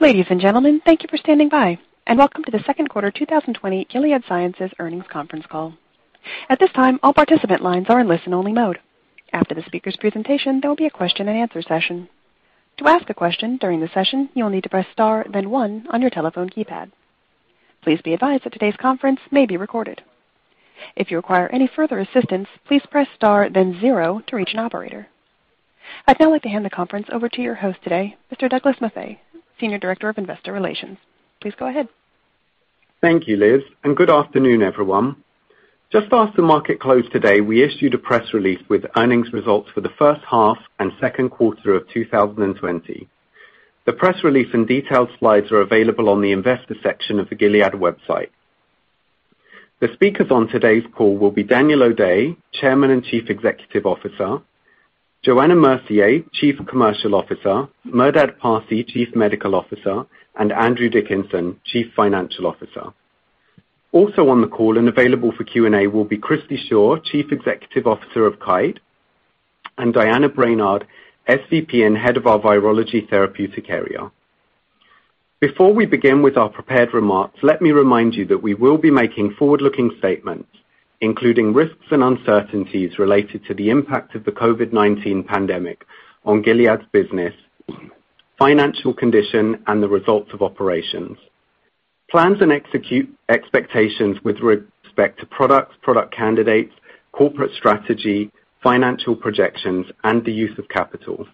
Ladies and gentlemen, thank you for standing by and welcome to the second quarter 2020 Gilead Sciences Earnings Conference Call. At this time, all participant lines are in listen only mode. After the speaker's presentation, there will be a question and answer session. To ask a question during the session, you will need to press star then one on your telephone keypad. Please be advised that today's conference may be recorded. If you require any further assistance, please press star then zero to reach an operator. I'd now like to hand the conference over to your host today, Mr. Douglas Maffei, Senior Director of Investor Relations. Please go ahead. Thank you, Liz, and good afternoon, everyone. Just after market close today, we issued a press release with earnings results for the first half and second quarter of 2020. The press release and detailed slides are available on the investor section of the Gilead website. The speakers on today's call will be Daniel O'Day, Chairman and Chief Executive Officer, Johanna Mercier, Chief Commercial Officer, Merdad Parsey, Chief Medical Officer, and Andrew Dickinson, Chief Financial Officer. Also on the call and available for Q&A will be Christi Shaw, Chief Executive Officer of Kite, and Diana Brainard, SVP and Head of our Virology Therapeutic Area. Before we begin with our prepared remarks, let me remind you that we will be making forward-looking statements, including risks and uncertainties related to the impact of the COVID-19 pandemic on Gilead's business, financial condition, and the results of operations. Plans and future expectations with respect to products, product candidates, corporate strategy, financial projections, and the use of capital,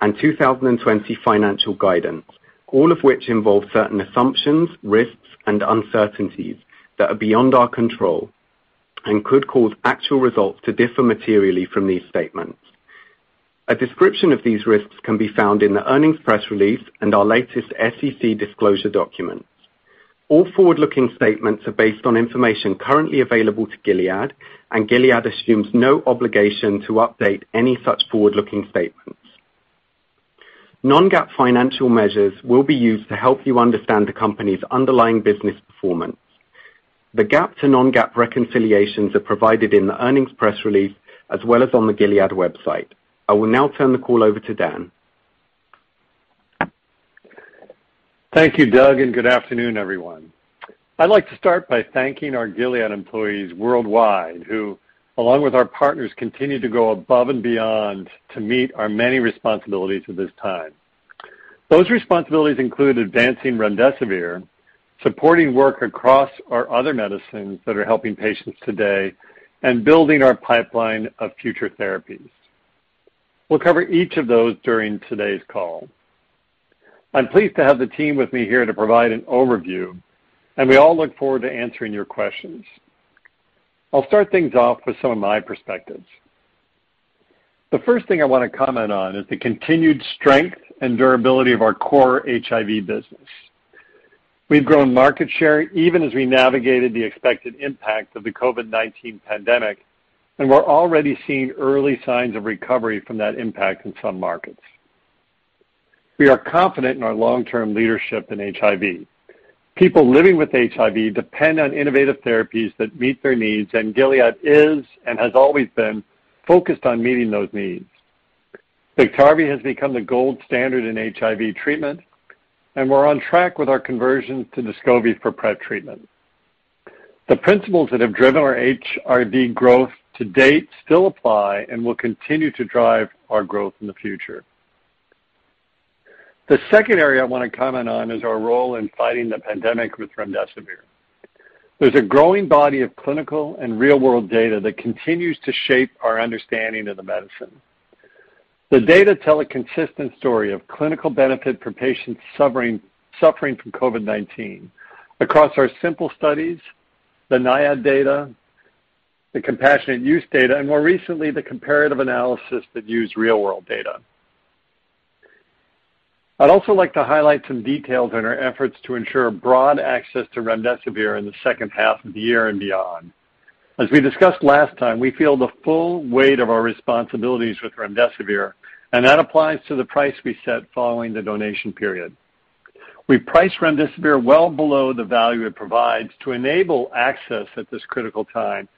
and 2020 financial guidance, all of which involve certain assumptions, risks, and uncertainties that are beyond our control and could cause actual results to differ materially from these statements. A description of these risks can be found in the earnings press release and our latest SEC disclosure documents. All forward-looking statements are based on information currently available to Gilead, and Gilead assumes no obligation to update any such forward-looking statements. Non-GAAP financial measures will be used to help you understand the company's underlying business performance. The GAAP to non-GAAP reconciliations are provided in the earnings press release as well as on the Gilead website. I will now turn the call over to Dan. Thank you, Doug. Good afternoon, everyone. I'd like to start by thanking our Gilead employees worldwide, who, along with our partners, continue to go above and beyond to meet our many responsibilities at this time. Those responsibilities include advancing remdesivir, supporting work across our other medicines that are helping patients today, and building our pipeline of future therapies. We'll cover each of those during today's call. I am pleased to have the team with me here to provide an overview, and we all look forward to answering your questions. I'll start things off with some of my perspectives. The first thing I want to comment on is the continued strength and durability of our core HIV business. We've grown market share even as we navigated the expected impact of the COVID-19 pandemic, and we're already seeing early signs of recovery from that impact in some markets. We are confident in our long-term leadership in HIV. People living with HIV depend on innovative therapies that meet their needs, and Gilead is, and has always been focused on meeting those needs. Biktarvy has become the gold standard in HIV treatment, and we're on track with our conversion to Descovy for PrEP treatment. The principles that have driven our HIV growth to date still apply and will continue to drive our growth in the future. The second area I want to comment on is our role in fighting the pandemic with remdesivir. There's a growing body of clinical and real-world data that continues to shape our understanding of the medicine. The data tell a consistent story of clinical benefit for patients suffering from COVID-19 across our SIMPLE studies, the NIAID data, the compassionate use data, and more recently, the comparative analysis that used real-world data. I'd also like to highlight some details in our efforts to ensure broad access to remdesivir in the second half of the year and beyond. As we discussed last time, we feel the full weight of our responsibilities with remdesivir, and that applies to the price we set following the donation period. We've priced remdesivir well below the value it provides to enable access at this critical time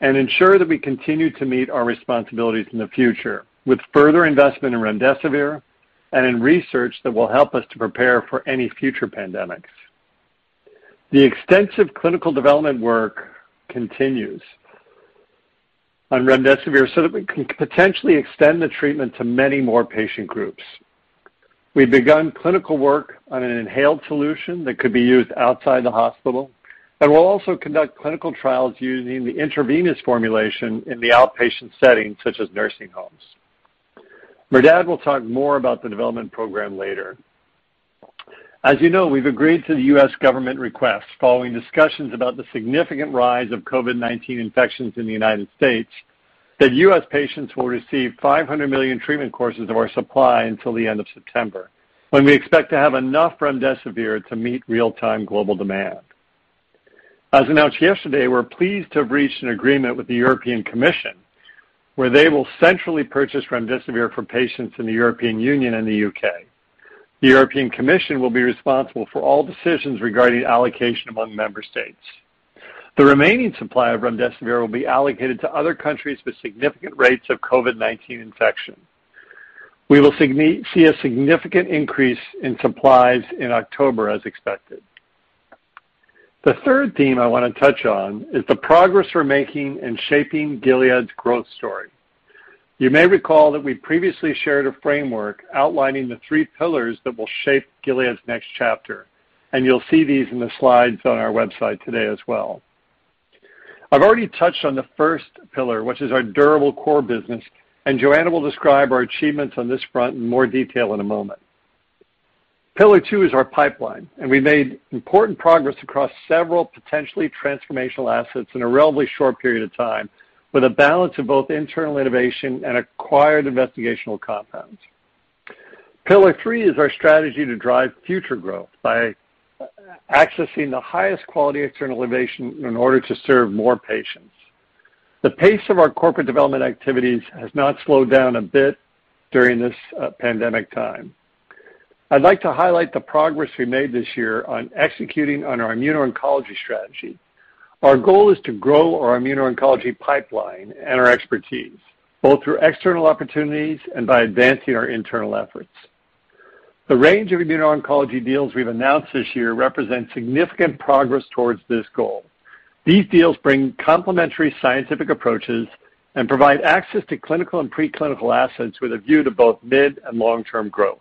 and ensure that we continue to meet our responsibilities in the future with further investment in remdesivir and in research that will help us to prepare for any future pandemics. The extensive clinical development work continues on remdesivir so that we can potentially extend the treatment to many more patient groups. We've begun clinical work on an inhaled solution that could be used outside the hospital, and we'll also conduct clinical trials using the intravenous formulation in the outpatient setting, such as nursing homes. Merdad will talk more about the development program later. As you know, we've agreed to the U.S. government request following discussions about the significant rise of COVID-19 infections in the U.S., that U.S. patients will receive 500,000 treatment courses of our supply until the end of September, when we expect to have enough remdesivir to meet real-time global demand. As announced yesterday, we're pleased to have reached an agreement with the European Commission where they will centrally purchase remdesivir for patients in the European Union and the U.K. The European Commission will be responsible for all decisions regarding allocation among member states. The remaining supply of remdesivir will be allocated to other countries with significant rates of COVID-19 infection. We will see a significant increase in supplies in October as expected. The third theme I want to touch on is the progress we're making in shaping Gilead's growth story. You may recall that we previously shared a framework outlining the three pillars that will shape Gilead's next chapter, and you'll see these in the slides on our website today as well. I've already touched on the first pillar, which is our durable core business, and Johanna will describe our achievements on this front in more detail in a moment. Pillar II is our pipeline, and we made important progress across several potentially transformational assets in a relatively short period of time with a balance of both internal innovation and acquired investigational compounds. Pillar III is our strategy to drive future growth by accessing the highest quality external innovation in order to serve more patients. The pace of our corporate development activities has not slowed down a bit during this pandemic time. I'd like to highlight the progress we made this year on executing on our immuno-oncology strategy. Our goal is to grow our immuno-oncology pipeline and our expertise, both through external opportunities and by advancing our internal efforts. The range of immuno-oncology deals we've announced this year represent significant progress towards this goal. These deals bring complementary scientific approaches and provide access to clinical and pre-clinical assets with a view to both mid and long-term growth.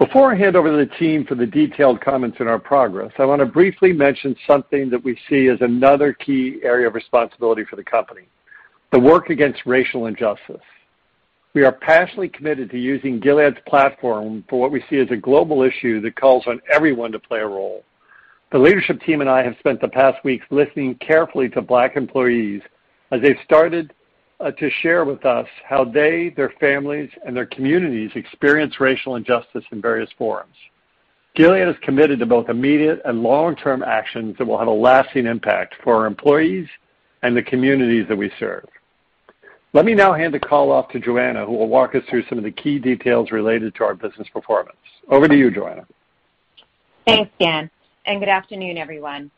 Before I hand over to the team for the detailed comments on our progress, I want to briefly mention something that we see as another key area of responsibility for the company, the work against racial injustice. We are passionately committed to using Gilead's platform for what we see as a global issue that calls on everyone to play a role. The leadership team and I have spent the past weeks listening carefully to black employees as they've started to share with us how they, their families, and their communities experience racial injustice in various forums. Gilead is committed to both immediate and long-term actions that will have a lasting impact for our employees and the communities that we serve. Let me now hand the call off to Johanna, who will walk us through some of the key details related to our business performance. Over to you, Johanna. Thanks, Dan, good afternoon, everyone.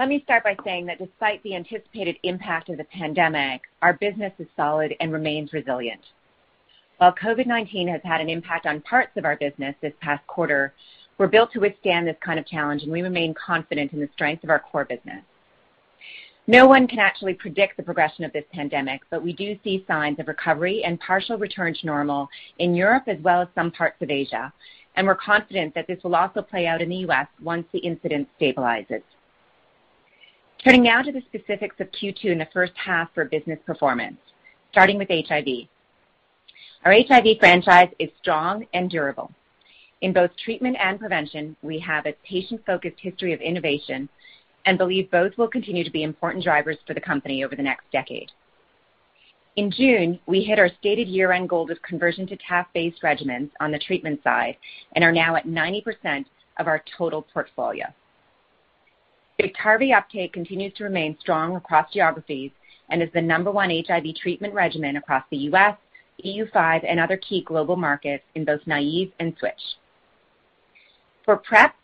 Let me start by saying that despite the anticipated impact of the pandemic, our business is solid and remains resilient. While COVID-19 has had an impact on parts of our business this past quarter, we're built to withstand this kind of challenge, we remain confident in the strength of our core business. No one can actually predict the progression of this pandemic, we do see signs of recovery and partial return to normal in Europe as well as some parts of Asia, we're confident that this will also play out in the U.S. once the incidence stabilizes. Turning now to the specifics of Q2 and the first half for business performance, starting with HIV. Our HIV franchise is strong and durable. In both treatment and prevention, we have a patient-focused history of innovation and believe both will continue to be important drivers for the company over the next decade. In June, we hit our stated year-end goal of conversion to TAF-based regimens on the treatment side and are now at 90% of our total portfolio. Biktarvy uptake continues to remain strong across geographies and is the number one HIV treatment regimen across the U.S., EU5, and other key global markets in both naive and switch. For PrEP,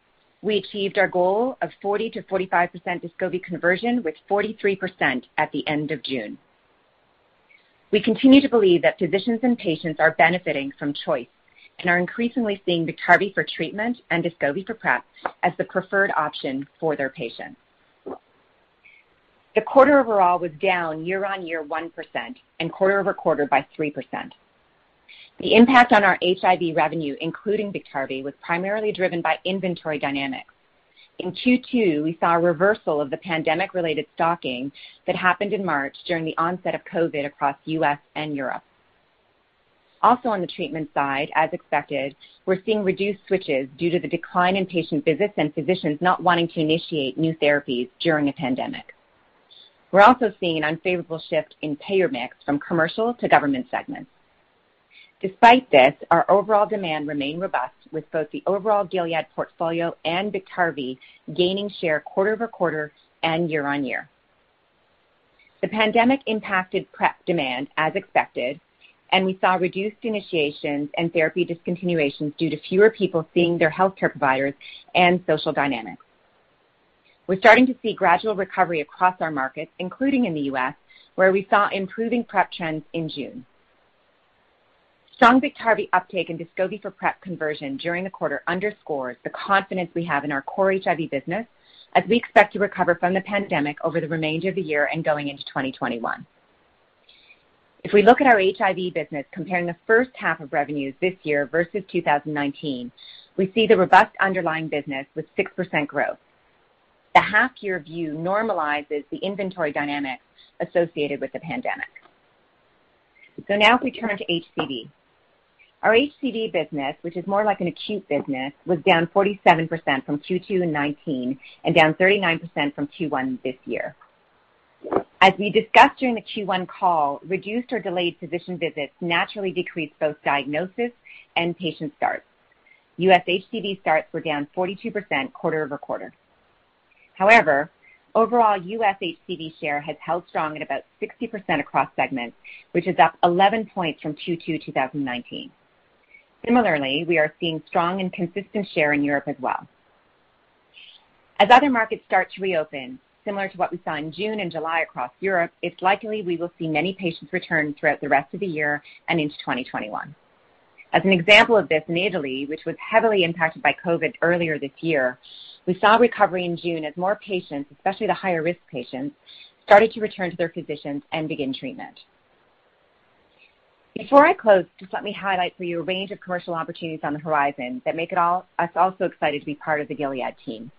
we achieved our goal of 40% to 45% Descovy conversion, with 43% at the end of June. We continue to believe that physicians and patients are benefiting from choice and are increasingly seeing Biktarvy for treatment and Descovy for PrEP as the preferred option for their patients. The quarter overall was down year-over-year 1% and quarter-over-quarter by 3%. The impact on our HIV revenue, including Biktarvy, was primarily driven by inventory dynamics. In Q2, we saw a reversal of the pandemic-related stocking that happened in March during the onset of COVID across U.S. and Europe. On the treatment side, as expected, we're seeing reduced switches due to the decline in patient visits and physicians not wanting to initiate new therapies during a pandemic. We're also seeing an unfavorable shift in payer mix from commercial to government segments. Despite this, our overall demand remained robust with both the overall Gilead portfolio and Biktarvy gaining share quarter-over-quarter and year-on-year. The pandemic impacted PrEP demand as expected. We saw reduced initiations and therapy discontinuations due to fewer people seeing their healthcare providers and social dynamics. We're starting to see gradual recovery across our markets, including in the U.S., where we saw improving PrEP trends in June. Strong Biktarvy uptake and Descovy for PrEP conversion during the quarter underscores the confidence we have in our core HIV business as we expect to recover from the pandemic over the remainder of the year and going into 2021. We look at our HIV business comparing the first half of revenues this year versus 2019, we see the robust underlying business with 6% growth. The half-year view normalizes the inventory dynamics associated with the pandemic. Now if we turn to HCV. Our HCV business, which is more like an acute business, was down 47% from Q2 in 2019 and down 39% from Q1 this year. As we discussed during the Q1 call, reduced or delayed physician visits naturally decreased both diagnosis and patient starts. U.S. HCV starts were down 42% quarter-over-quarter. However, overall U.S. HCV share has held strong at about 60% across segments, which is up 11 points from Q2 2019. Similarly, we are seeing strong and consistent share in Europe as well. As other markets start to reopen, similar to what we saw in June and July across Europe, it's likely we will see many patients return throughout the rest of the year and into 2021. As an example of this in Italy, which was heavily impacted by COVID earlier this year, we saw a recovery in June as more patients, especially the higher risk patients, started to return to their physicians and begin treatment. Before I close, just let me highlight for you a range of commercial opportunities on the horizon that make us also excited to be part of the Gilead team.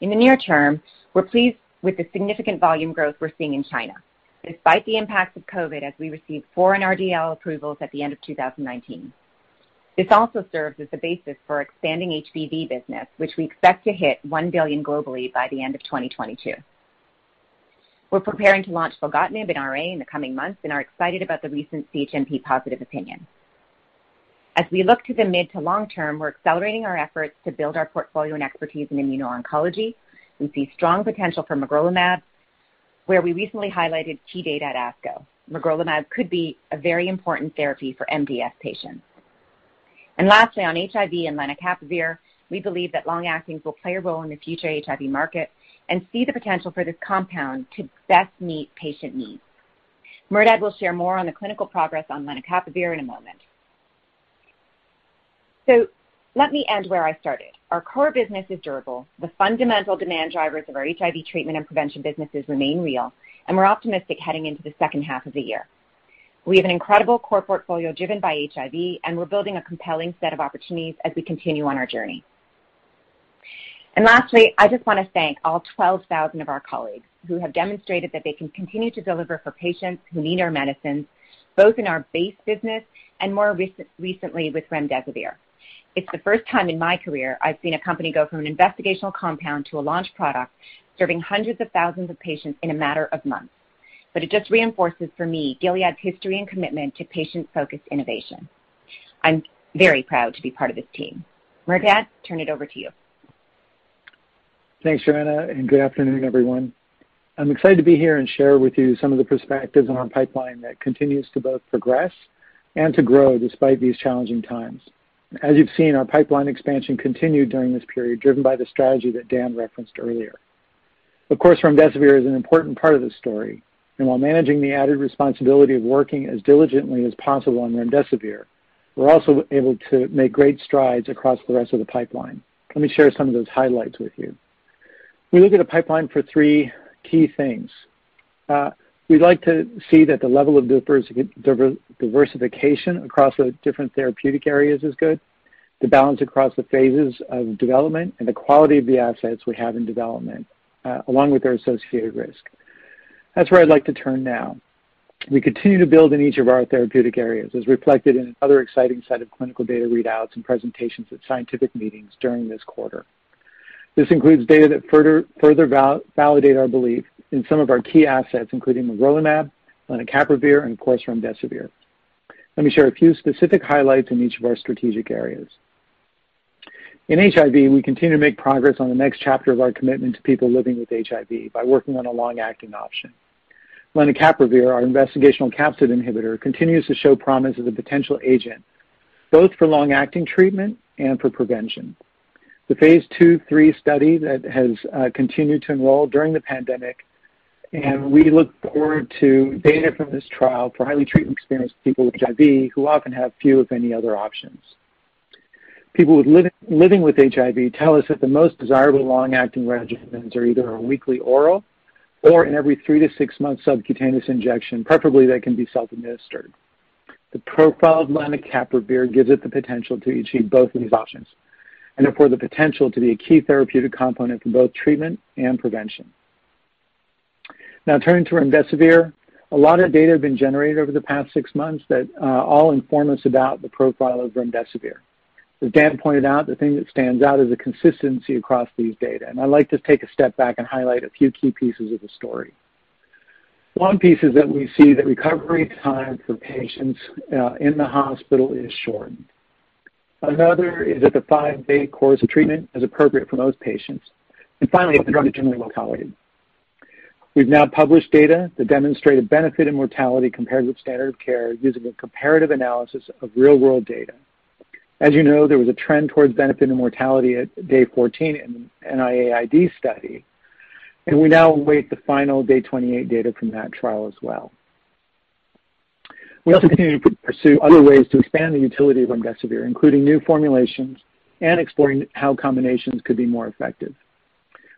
In the near term, we're pleased with the significant volume growth we're seeing in China, despite the impacts of COVID-19, as we received four NRDL approvals at the end of 2019. This also serves as the basis for expanding HBV business, which we expect to hit $1 billion globally by the end of 2022. We're preparing to launch filgotinib in RA in the coming months and are excited about the recent CHMP positive opinion. As we look to the mid to long term, we're accelerating our efforts to build our portfolio and expertise in immuno-oncology. We see strong potential for magrolimab, where we recently highlighted key data at ASCO. magrolimab could be a very important therapy for MDS patients. Lastly, on HIV and lenacapavir, we believe that long-actings will play a role in the future HIV market and see the potential for this compound to best meet patient needs. Merdad will share more on the clinical progress on lenacapavir in a moment. Let me end where I started. Our core business is durable. The fundamental demand drivers of our HIV treatment and prevention businesses remain real, and we're optimistic heading into the second half of the year. We have an incredible core portfolio driven by HIV, and we're building a compelling set of opportunities as we continue on our journey. Lastly, I just want to thank all 12,000 of our colleagues who have demonstrated that they can continue to deliver for patients who need our medicines, both in our base business and more recently with remdesivir. It's the first time in my career I've seen a company go from an investigational compound to a launch product serving hundreds of thousands of patients in a matter of months. It just reinforces for me, Gilead's history and commitment to patient-focused innovation. I'm very proud to be part of this team. Merdad, turn it over to you. Thanks, Johanna. Good afternoon, everyone. I'm excited to be here and share with you some of the perspectives on our pipeline that continues to both progress and to grow despite these challenging times. As you've seen, our pipeline expansion continued during this period, driven by the strategy that Dan referenced earlier. Of course, remdesivir is an important part of this story, and while managing the added responsibility of working as diligently as possible on remdesivir, we're also able to make great strides across the rest of the pipeline. Let me share some of those highlights with you. We look at a pipeline for three key things. We like to see that the level of diversification across the different therapeutic areas is good, the balance across the phases of development, and the quality of the assets we have in development, along with their associated risk. That's where I would like to turn now. We continue to build in each of our therapeutic areas, as reflected in another exciting set of clinical data readouts and presentations at scientific meetings during this quarter. This includes data that further validate our belief in some of our key assets, including magrolimab, lenacapavir and of course, remdesivir. Let me share a few specific highlights in each of our strategic areas. In HIV, we continue to make progress on the next chapter of our commitment to people living with HIV by working on a long-acting option. Lenacapavir, our investigational capsid inhibitor, continues to show promise as a potential agent, both for long-acting treatment and for prevention. The phase II/III study that has continued to enroll during the pandemic, and we look forward to data from this trial for highly treatment-experienced people with HIV who often have few, if any other options. People living with HIV tell us that the most desirable long-acting regimens are either a weekly oral or an every three to six months subcutaneous injection, preferably that can be self-administered. The profile of lenacapavir gives it the potential to achieve both of these options and therefore the potential to be a key therapeutic component for both treatment and prevention. Turning to remdesivir, a lot of data have been generated over the past six months that all inform us about the profile of remdesivir. As Dan pointed out, the thing that stands out is the consistency across these data, I'd like to take a step back and highlight a few key pieces of the story. One piece is that we see that recovery time for patients in the hospital is shortened. Another is that the five-day course of treatment is appropriate for most patients. That the drug is generally well-tolerated. We've now published data that demonstrate a benefit in mortality compared with standard of care using a comparative analysis of real-world data. You know, there was a trend towards benefit in mortality at day 14 in NIAID study, and we now await the final day 28 data from that trial as well. We also continue to pursue other ways to expand the utility of remdesivir, including new formulations and exploring how combinations could be more effective.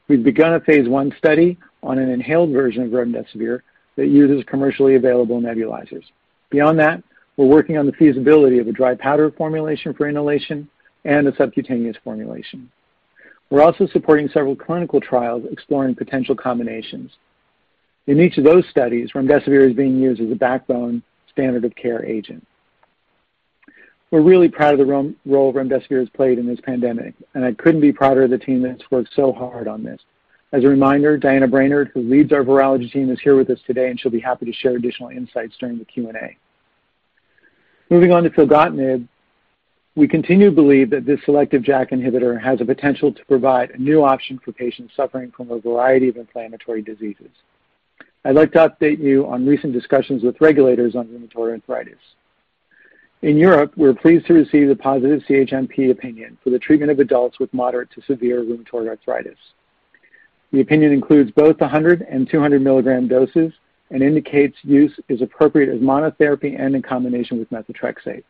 We've begun a Phase I study on an inhaled version of remdesivir that uses commercially available nebulizers. We're working on the feasibility of a dry powder formulation for inhalation and a subcutaneous formulation. Supporting several clinical trials exploring potential combinations. In each of those studies, remdesivir is being used as a backbone standard of care agent. We're really proud of the role remdesivir has played in this pandemic, and I couldn't be prouder of the team that's worked so hard on this. As a reminder, Diana Brainard, who leads our virology team, is here with us today, and she'll be happy to share additional insights during the Q&A. Moving on to filgotinib, we continue to believe that this selective JAK inhibitor has the potential to provide a new option for patients suffering from a variety of inflammatory diseases. I'd like to update you on recent discussions with regulators on rheumatoid arthritis. In Europe, we were pleased to receive the positive CHMP opinion for the treatment of adults with moderate to severe rheumatoid arthritis. The opinion includes both 100 mg and 200 mg doses and indicates use is appropriate as monotherapy and in combination with methotrexate.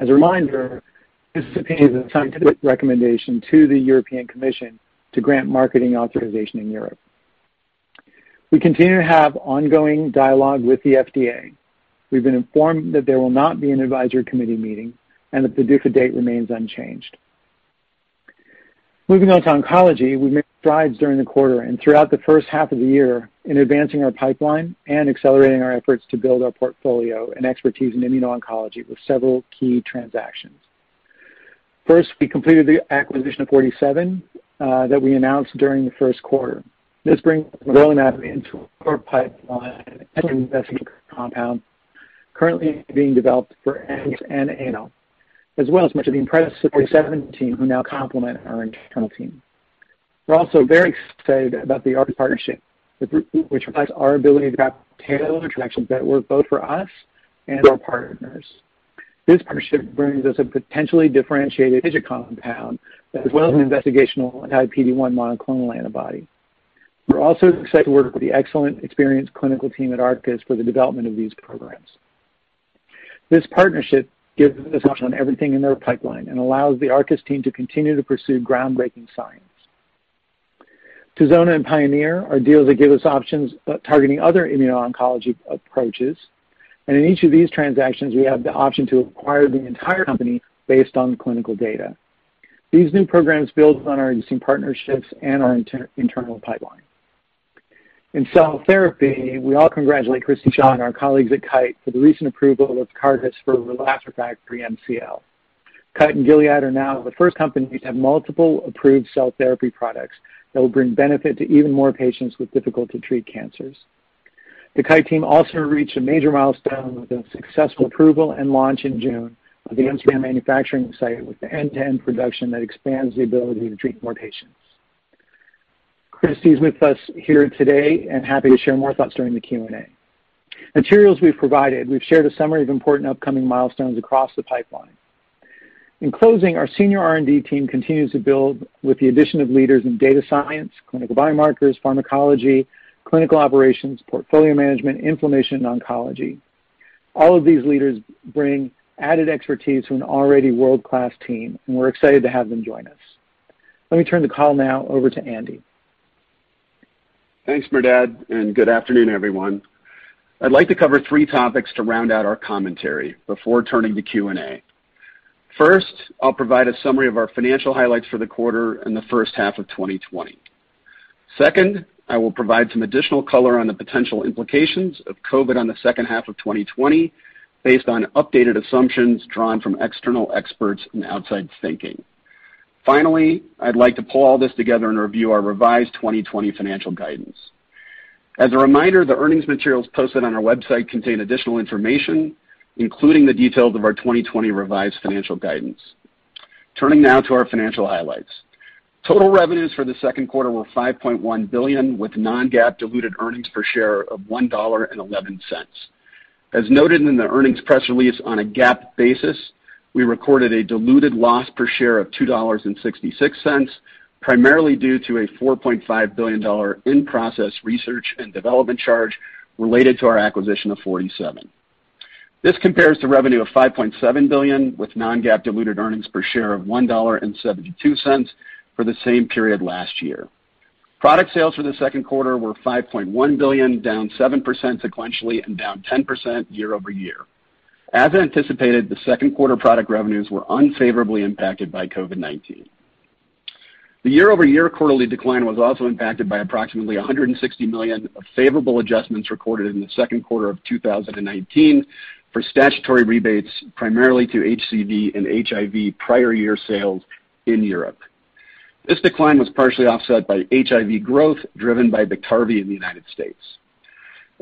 As a reminder, this opinion is a scientific recommendation to the European Commission to grant marketing authorization in Europe. We continue to have ongoing dialogue with the FDA. We've been informed that there will not be an advisory committee meeting and that the PDUFA date remains unchanged. Moving on to oncology. We made strides during the quarter and throughout the first half of the year in advancing our pipeline and accelerating our efforts to build our portfolio and expertise in immuno-oncology with several key transactions. First, we completed the acquisition of Forty Seven that we announced during the first quarter. This brings a lead compound currently being developed for AML and MDS, as well as much of the impressive Forty Seven team who now complement our internal team. We're also very excited about the Arcus partnership, which reflects our ability to craft tailored transactions that work both for us and our partners. This partnership brings us a potentially differentiated TIGIT compound, as well as an investigational anti-PD-1 monoclonal antibody. We're also excited to work with the excellent experienced clinical team at Arcus for the development of these programs. This partnership gives us an option on everything in their pipeline and allows the Arcus team to continue to pursue groundbreaking science. Tizona and Pionyr are deals that give us options targeting other immuno-oncology approaches, and in each of these transactions, we have the option to acquire the entire company based on clinical data. These new programs build on our existing partnerships and our internal pipeline. In cell therapy, we all congratulate Christi and our colleagues at Kite for the recent approval of Tecartus for relapsed/refractory MCL. Kite and Gilead are now the first companies to have multiple approved cell therapy products that will bring benefit to even more patients with difficult-to-treat cancers. The Kite team also reached a major milestone with the successful approval and launch in June of the Amsterdam manufacturing site with end-to-end production that expands the ability to treat more patients. Christi is with us here today and happy to share more thoughts during the Q&A. Materials we've provided, we've shared a summary of important upcoming milestones across the pipeline. In closing, our senior R&D team continues to build with the addition of leaders in data science, clinical biomarkers, pharmacology, clinical operations, portfolio management, inflammation, and oncology. All of these leaders bring added expertise to an already world-class team, and we're excited to have them join us. Let me turn the call now over to Andrew. Thanks, Merdad, good afternoon, everyone. I'd like to cover three topics to round out our commentary before turning to Q&A. First, I'll provide a summary of our financial highlights for the quarter and the first half of 2020. Second, I will provide some additional color on the potential implications of COVID-19 on the second half of 2020 based on updated assumptions drawn from external experts and outside thinking. Finally, I'd like to pull all this together and review our revised 2020 financial guidance. As a reminder, the earnings materials posted on our website contain additional information, including the details of our 2020 revised financial guidance. Turning now to our financial highlights. Total revenues for the second quarter were $5.1 billion with non-GAAP diluted earnings per share of $1.11. As noted in the earnings press release, on a GAAP basis, we recorded a diluted loss per share of $2.66, primarily due to a $4.5 billion in-process research and development charge related to our acquisition of Forty Seven. This compares to revenue of $5.7 billion with non-GAAP diluted earnings per share of $1.72 for the same period last year. Product sales for the second quarter were $5.1 billion, down 7% sequentially and down 10% year-over-year. As anticipated, the second quarter product revenues were unfavorably impacted by COVID-19. The year-over-year quarterly decline was also impacted by approximately $160 million of favorable adjustments recorded in the second quarter of 2019 for statutory rebates, primarily to HCV and HIV prior year sales in Europe. This decline was partially offset by HIV growth driven by Biktarvy in the United States.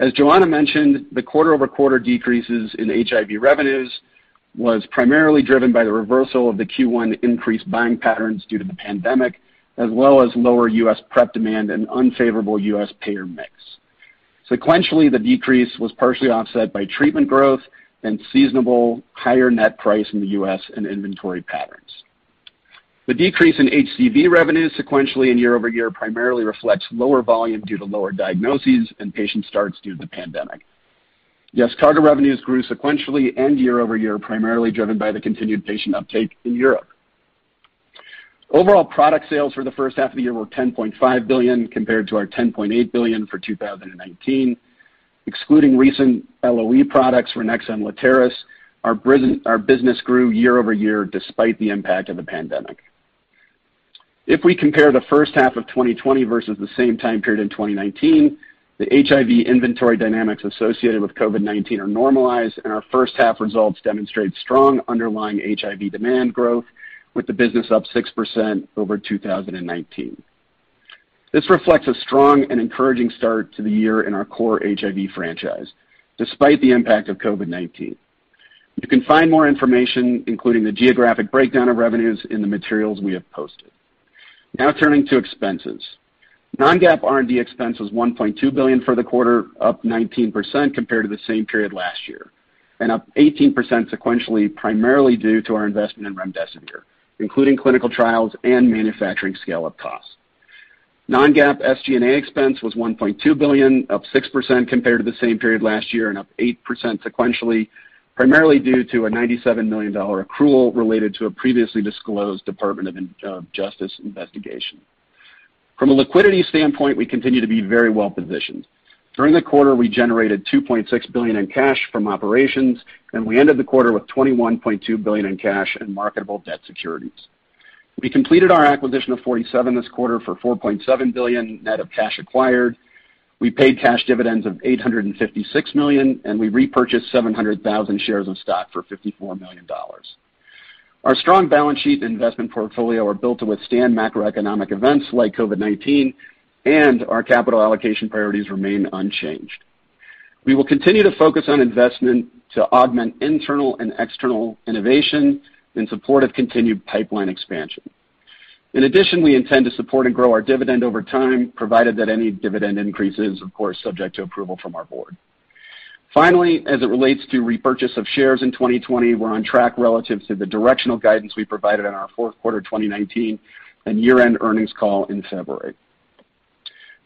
As Johanna mentioned, the quarter-over-quarter decreases in HIV revenues was primarily driven by the reversal of the Q1 increased buying patterns due to the pandemic, as well as lower U.S. PrEP demand and unfavorable U.S. payer mix. Sequentially, the decrease was partially offset by treatment growth and seasonal higher net price in the U.S. and inventory patterns. The decrease in HCV revenues sequentially and year-over-year primarily reflects lower volume due to lower diagnoses and patient starts due to the pandemic. Yescarta revenues grew sequentially and year-over-year, primarily driven by the continued patient uptake in Europe. Overall product sales for the first half of the year were $10.5 billion compared to our $10.8 billion for 2019. Excluding recent LOE products Ranexa and Letairis, our business grew year-over-year despite the impact of the pandemic. If we compare the first half of 2020 versus the same time period in 2019, the HIV inventory dynamics associated with COVID-19 are normalized, and our first half results demonstrate strong underlying HIV demand growth with the business up 6% over 2019. This reflects a strong and encouraging start to the year in our core HIV franchise, despite the impact of COVID-19. You can find more information, including the geographic breakdown of revenues in the materials we have posted. Now turning to expenses. Non-GAAP R&D expense was $1.2 billion for the quarter, up 19% compared to the same period last year, and up 18% sequentially, primarily due to our investment in remdesivir, including clinical trials and manufacturing scale-up costs. Non-GAAP SG&A expense was $1.2 billion, up 6% compared to the same period last year and up 8% sequentially, primarily due to a $97 million accrual related to a previously disclosed Department of Justice investigation. From a liquidity standpoint, we continue to be very well-positioned. During the quarter, we generated $2.6 billion in cash from operations. We ended the quarter with $21.2 billion in cash and marketable debt securities. We completed our acquisition of Forty Seven this quarter for $4.7 billion, net of cash acquired. We paid cash dividends of $856 million. We repurchased 700,000 shares of stock for $54 million. Our strong balance sheet and investment portfolio are built to withstand macroeconomic events like COVID-19. Our capital allocation priorities remain unchanged. We will continue to focus on investment to augment internal and external innovation in support of continued pipeline expansion. In addition, we intend to support and grow our dividend over time, provided that any dividend increase is, of course, subject to approval from our board. As it relates to repurchase of shares in 2020, we're on track relative to the directional guidance we provided in our fourth quarter 2019 and year-end earnings call in February.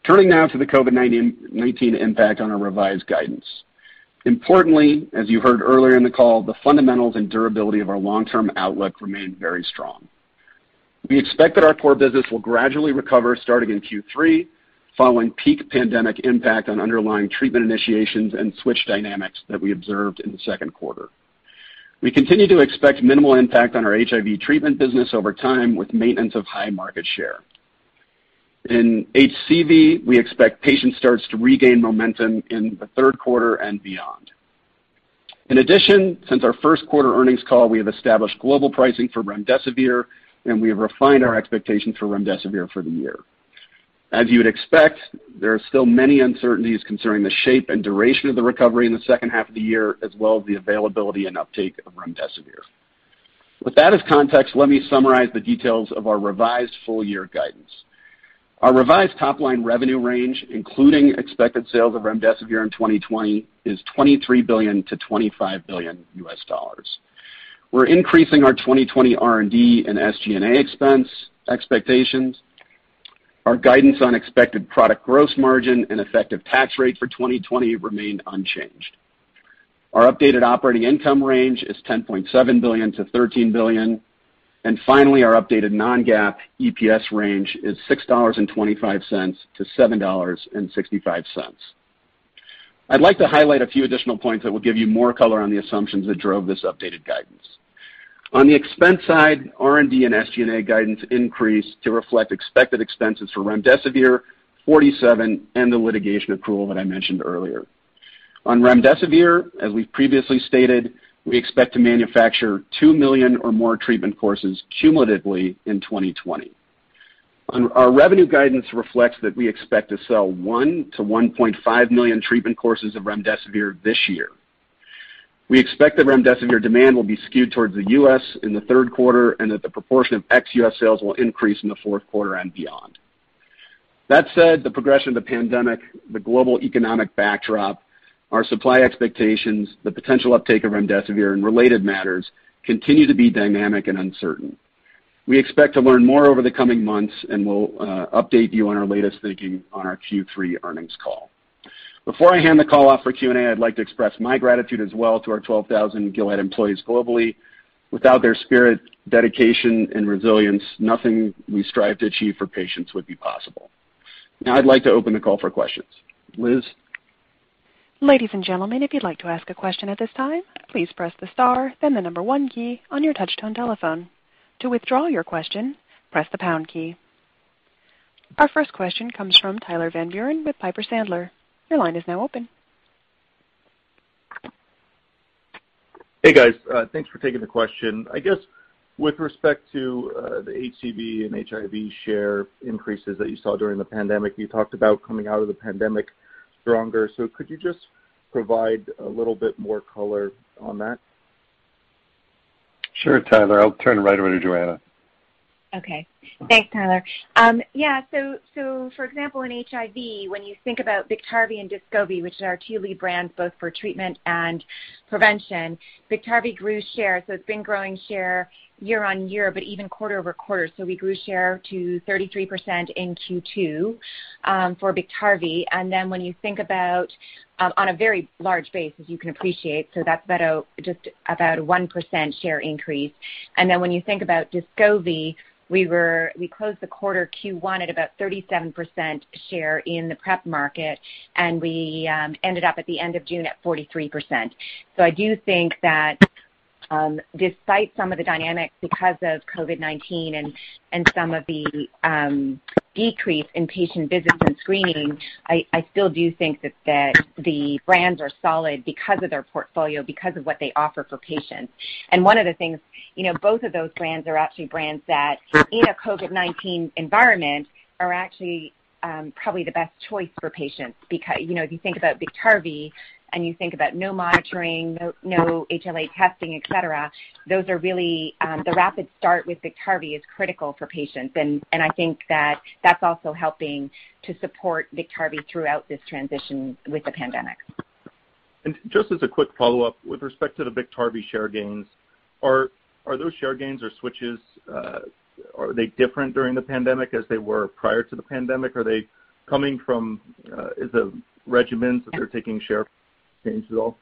Turning now to the COVID-19 impact on our revised guidance. As you heard earlier in the call, the fundamentals and durability of our long-term outlook remain very strong. We expect that our core business will gradually recover starting in Q3, following peak pandemic impact on underlying treatment initiations and switch dynamics that we observed in the second quarter. We continue to expect minimal impact on our HIV treatment business over time, with maintenance of high market share. In HCV, we expect patient starts to regain momentum in the third quarter and beyond. In addition, since our first quarter earnings call, we have established global pricing for remdesivir, and we have refined our expectations for remdesivir for the year. As you would expect, there are still many uncertainties concerning the shape and duration of the recovery in the second half of the year, as well as the availability and uptake of remdesivir. With that as context, let me summarize the details of our revised full-year guidance. Our revised top-line revenue range, including expected sales of remdesivir in 2020, is $23 billion to $25 billion. We're increasing our 2020 R&D and SG&A expense expectations. Our guidance on expected product gross margin and effective tax rate for 2020 remained unchanged. Our updated operating income range is $10.7 billion to $13 billion. Finally, our updated non-GAAP EPS range is $6.25 to $7.65. I would like to highlight a few additional points that will give you more color on the assumptions that drove this updated guidance. On the expense side, R&D and SG&A guidance increased to reflect expected expenses for remdesivir, Forty Seven, and the litigation accrual that I mentioned earlier. On remdesivir, as we've previously stated, we expect to manufacture two million or more treatment courses cumulatively in 2020. Our revenue guidance reflects that we expect to sell one million-1.5 million treatment courses of remdesivir this year. We expect that remdesivir demand will be skewed towards the U.S. in the third quarter, and that the proportion of ex-U.S. sales will increase in the fourth quarter and beyond. That said, the progression of the pandemic, the global economic backdrop, our supply expectations, the potential uptake of remdesivir and related matters continue to be dynamic and uncertain. We expect to learn more over the coming months. We'll update you on our latest thinking on our Q3 earnings call. Before I hand the call off for Q&A, I'd like to express my gratitude as well to our 12,000 Gilead employees globally. Without their spirit, dedication, and resilience, nothing we strive to achieve for patients would be possible. Now, I'd like to open the call for questions. Liz? Ladies and gentlemen, if you'd like to ask a question at this time, please press the star, then the number one key on your touch-tone telephone. To withdraw your question, press the pound key. Our first question comes from Tyler Van Buren with Piper Sandler. Your line is now open. Hey, guys. Thanks for taking the question. I guess with respect to the HCV and HIV share increases that you saw during the pandemic, you talked about coming out of the pandemic stronger. Could you just provide a little bit more color on that? Sure, Tyler. I'll turn it right over to Johanna. Thanks, Tyler. Yeah. For example, in HIV, when you think about Biktarvy and Descovy, which are our two lead brands both for treatment and prevention, Biktarvy grew share. It's been growing share year-over-year, but even quarter-over-quarter. We grew share to 33% in Q2 for Biktarvy. When you think about on a very large base, as you can appreciate, that's about a 1% share increase. When you think about Descovy, we closed the quarter Q1 at about 37% share in the PrEP market, and we ended up at the end of June at 43%. I do think that despite some of the dynamics because of COVID-19 and some of the decrease in patient visits and screening, I still do think that the brands are solid because of their portfolio, because of what they offer for patients. One of the things, both of those brands are actually brands that in a COVID-19 environment are actually probably the best choice for patients. If you think about Biktarvy and you think about no monitoring, no HLA testing, et cetera, the rapid start with Biktarvy is critical for patients. I think that that's also helping to support Biktarvy throughout this transition with the pandemic. Just as a quick follow-up, with respect to the Biktarvy share gains, are those share gains or switches, are they different during the pandemic as they were prior to the pandemic? Are they coming from regimens that are taking share gains at all?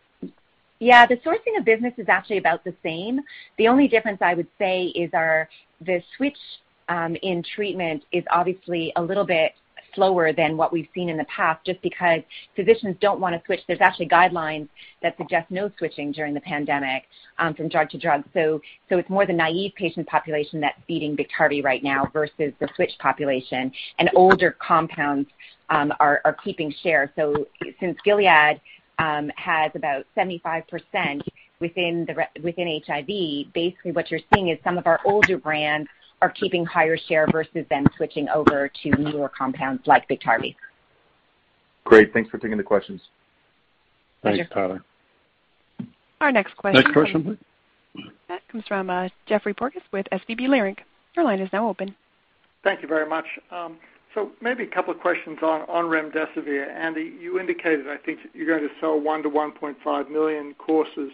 Yeah. The sourcing of business is actually about the same. The only difference I would say is the switch in treatment is obviously a little bit slower than what we've seen in the past, just because physicians don't want to switch. There's actually guidelines that suggest no switching during the pandemic from drug to drug. It's more the naive patient population that's feeding Biktarvy right now versus the switch population, and older compounds are keeping share. Since Gilead has about 75% within HIV, basically what you're seeing is some of our older brands are keeping higher share versus them switching over to newer compounds like Biktarvy. Great. Thanks for taking the questions. Pleasure. Thanks, Tyler. Our next question- Next question.comes from Geoffrey Porges with SVB Leerink. Your line is now open. Thank you very much. Maybe a couple of questions on remdesivir. Andy, you indicated, I think, you're going to sell one million to 1.5 million courses.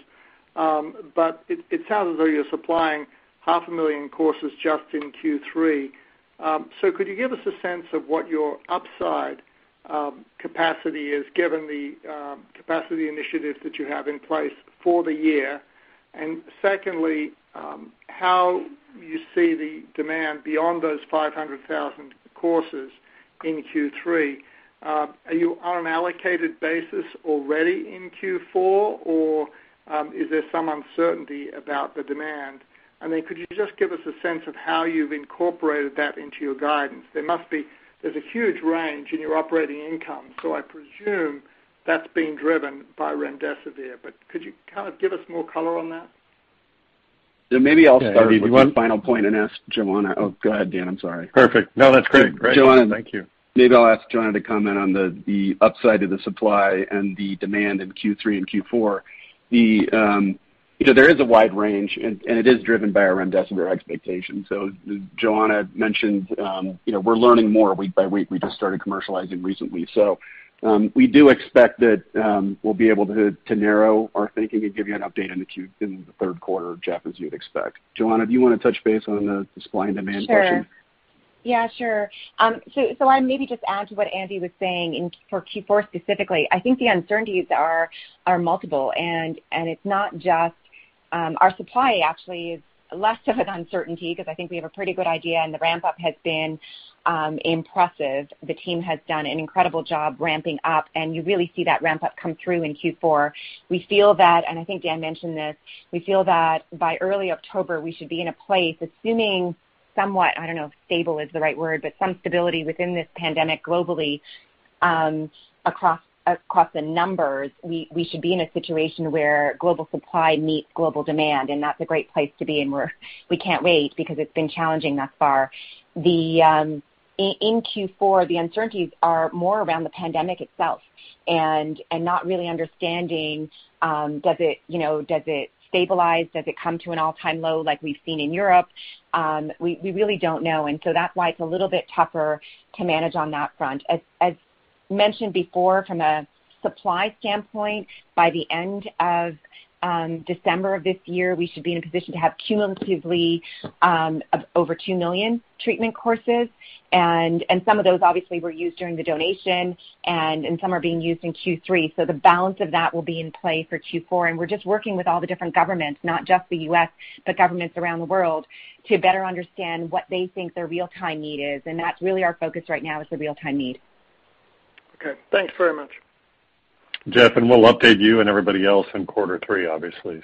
It sounds as though you're supplying half a million courses just in Q3. Could you give us a sense of what your upside capacity is, given the capacity initiatives that you have in place for the year? Secondly, how you see the demand beyond those 500,000 courses in Q3? Are you on an allocated basis already in Q4, or is there some uncertainty about the demand? Could you just give us a sense of how you've incorporated that into your guidance? There's a huge range in your operating income, so I presume that's being driven by remdesivir, but could you kind of give us more color on that? Yeah, Andy, do you. Maybe I'll start with the final point and ask Johanna. Oh, go ahead, Dan. I'm sorry. Perfect. No, that's great. Great. Thank you. Johanna, maybe I'll ask Johanna to comment on the upside of the supply and the demand in Q3 and Q4. There is a wide range, and it is driven by our remdesivir expectations. Johanna mentioned we're learning more week by week. We just started commercializing recently. We do expect that we'll be able to narrow our thinking and give you an update in the third quarter, Geoff, as you'd expect. Johanna, do you want to touch base on the supply and demand question? Sure. Yeah, sure. I maybe just add to what Andy was saying for Q4 specifically. I think the uncertainties are multiple, and it's not just Our supply actually is less of an uncertainty because I think we have a pretty good idea, and the ramp-up has been impressive. The team has done an incredible job ramping up, and you really see that ramp-up come through in Q4. We feel that, and I think Dan mentioned this, we feel that by early October, we should be in a place, assuming somewhat, I don't know if stable is the right word, but some stability within this pandemic globally, across the numbers, we should be in a situation where global supply meets global demand, and that's a great place to be, and we can't wait because it's been challenging thus far. In Q4, the uncertainties are more around the pandemic itself and not really understanding does it stabilize? Does it come to an all-time low like we've seen in Europe? We really don't know. That's why it's a little bit tougher to manage on that front. As mentioned before, from a supply standpoint, by the end of December of this year, we should be in a position to have cumulatively over two million treatment courses, and some of those obviously were used during the donation, and some are being used in Q3. The balance of that will be in play for Q4, and we're just working with all the different governments, not just the U.S., but governments around the world to better understand what they think their real-time need is, and that's really our focus right now is the real-time need. Okay. Thanks very much. Geoff, we'll update you and everybody else in quarter three, obviously.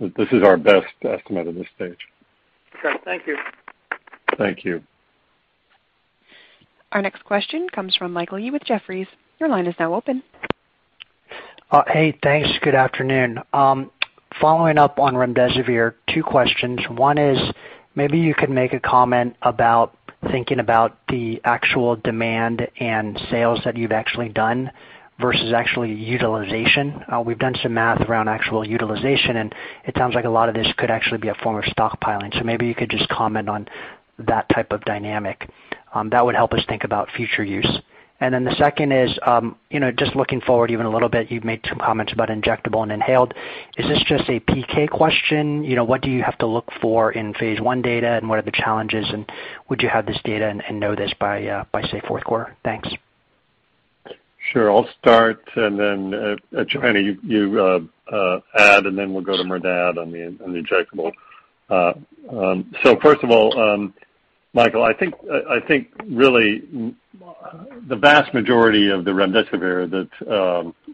This is our best estimate at this stage. Okay. Thank you. Thank you. Our next question comes from Michael Yee with Jefferies. Your line is now open. Hey, thanks. Good afternoon. Following up on remdesivir, two questions. One is, maybe you could make a comment about thinking about the actual demand and sales that you've actually done versus actually utilization. We've done some math around actual utilization, and it sounds like a lot of this could actually be a form of stockpiling. Maybe you could just comment on that type of dynamic. That would help us think about future use. The second is, just looking forward even a little bit, you've made some comments about injectable and inhaled. Is this just a PK question? What do you have to look for in phase I data, and what are the challenges, and would you have this data and know this by, say, fourth quarter? Thanks. Sure. I will start, and then Johanna, you add, and then we'll go to Merdad on the injectable. First of all, Michael, I think really the vast majority of the remdesivir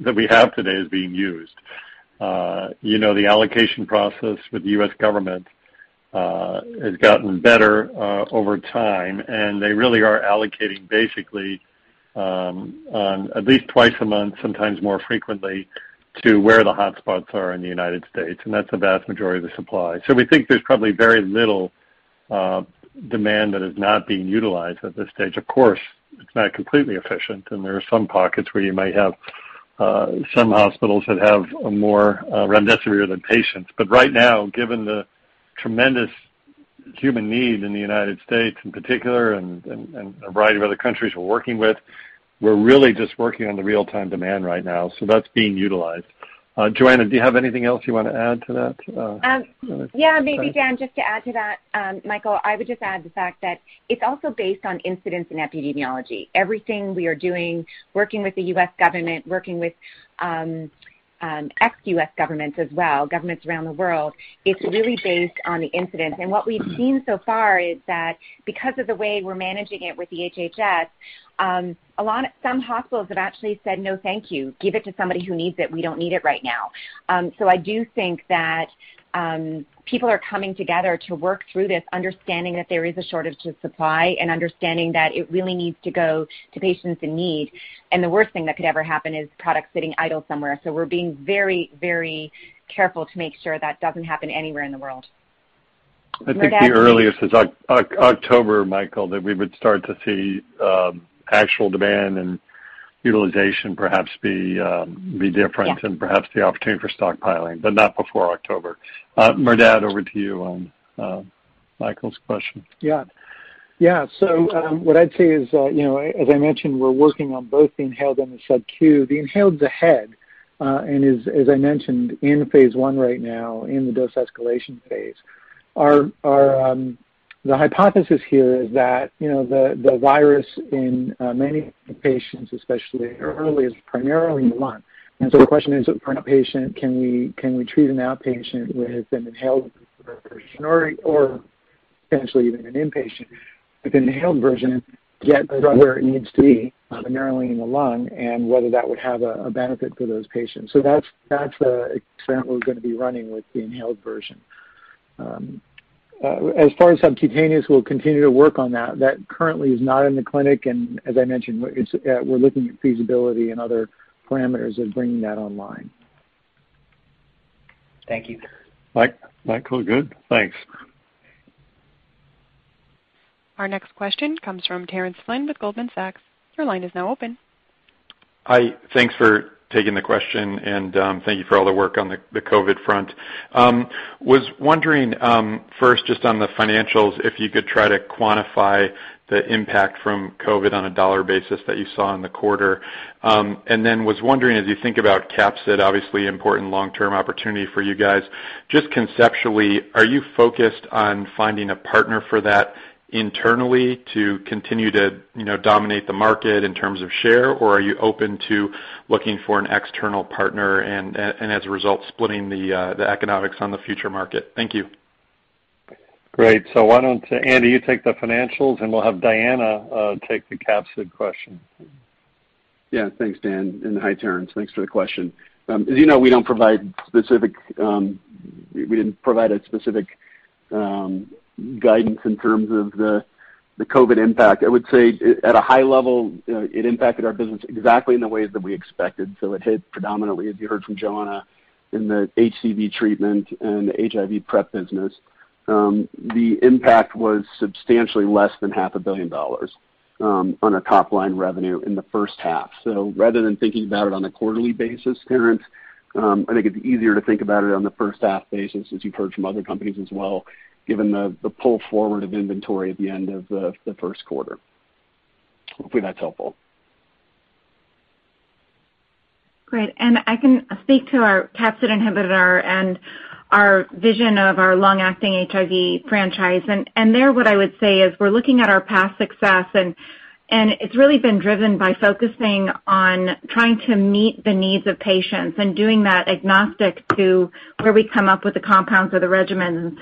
that we have today is being used. The allocation process with the U.S. government has gotten better over time, and they really are allocating basically on at least twice a month, sometimes more frequently, to where the hotspots are in the U.S., and that's the vast majority of the supply. We think there's probably very little demand that is not being utilized at this stage. Of course, it's not completely efficient, and there are some pockets where you might have some hospitals that have more remdesivir than patients. Right now, given the tremendous human need in the U.S. in particular and a variety of other countries we're working with. We're really just working on the real-time demand right now. That's being utilized. Johanna, do you have anything else you want to add to that? Yeah, maybe, Dan, just to add to that, Michael, I would just add the fact that it's also based on incidence in epidemiology. Everything we are doing, working with the U.S. government, working with ex-U.S. governments as well, governments around the world, it's really based on the incidence. What we've seen so far is that because of the way we're managing it with the HHS, some hospitals have actually said, "No, thank you. Give it to somebody who needs it. We don't need it right now." I do think that people are coming together to work through this understanding that there is a shortage of supply and understanding that it really needs to go to patients in need, and the worst thing that could ever happen is product sitting idle somewhere. We're being very careful to make sure that doesn't happen anywhere in the world. I think the earliest is October, Michael, that we would start to see actual demand and utilization perhaps be different- Yeah Perhaps the opportunity for stockpiling, but not before October. Merdad, over to you on Michael's question. What I'd say is, as I mentioned, we're working on both the inhaled and the sub-Q. The inhaled is ahead, as I mentioned, in phase I right now, in the dose escalation phase. The hypothesis here is that the virus in many patients, especially early, is primarily in the lung. The question is, for an outpatient, can we treat an outpatient with an inhaled version or potentially even an inpatient with inhaled version, get the drug where it needs to be, primarily in the lung, and whether that would have a benefit for those patients. That's the experiment we're going to be running with the inhaled version. As far as subcutaneous, we'll continue to work on that. That currently is not in the clinic, as I mentioned, we're looking at feasibility and other parameters of bringing that online. Thank you. Michael, good. Thanks. Our next question comes from Terence Flynn with Goldman Sachs. Your line is now open. Hi. Thanks for taking the question. Thank you for all the work on the COVID front. I was wondering first, just on the financials, if you could try to quantify the impact from COVID on a dollar basis that you saw in the quarter. I was wondering, as you think about capsid, obviously important long-term opportunity for you guys. Just conceptually, are you focused on finding a partner for that internally to continue to dominate the market in terms of share, or are you open to looking for an external partner and as a result, splitting the economics on the future market? Thank you. Great. Why don't, Andy, you take the financials, and we'll have Diana take the capsid question. Yeah, thanks, Dan, and hi, Terence. Thanks for the question. As you know, we didn't provide a specific guidance in terms of the COVID-19 impact. I would say at a high level, it impacted our business exactly in the ways that we expected. It hit predominantly, as you heard from Johanna, in the HCV treatment and HIV PrEP business. The impact was substantially less than half a billion dollars on a top-line revenue in the first half. Rather than thinking about it on a quarterly basis, Terence, I think it'd be easier to think about it on the first half basis, as you've heard from other companies as well, given the pull forward of inventory at the end of the first quarter. Hopefully, that's helpful. Great, I can speak to our capsid inhibitor and our vision of our long-acting HIV franchise. There, what I would say is we're looking at our past success, and it's really been driven by focusing on trying to meet the needs of patients and doing that agnostic to where we come up with the compounds or the regimens.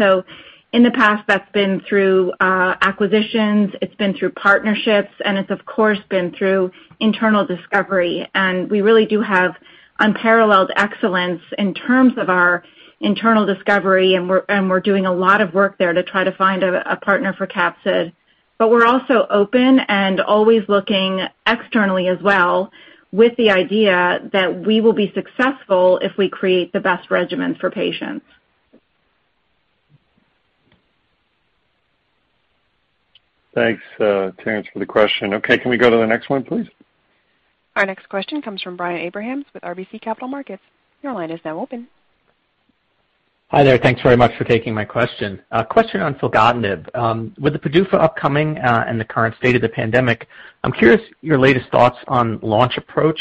In the past, that's been through acquisitions, it's been through partnerships, and it's of course been through internal discovery. We really do have unparalleled excellence in terms of our internal discovery, and we're doing a lot of work there to try to find a partner for capsid. We're also open and always looking externally as well with the idea that we will be successful if we create the best regimens for patients. Thanks, Terence, for the question. Okay, can we go to the next one, please? Our next question comes from Brian Abrahams with RBC Capital Markets. Your line is now open. Hi there. Thanks very much for taking my question. A question on filgotinib. With the PDUFA upcoming and the current state of the pandemic, I'm curious your latest thoughts on launch approach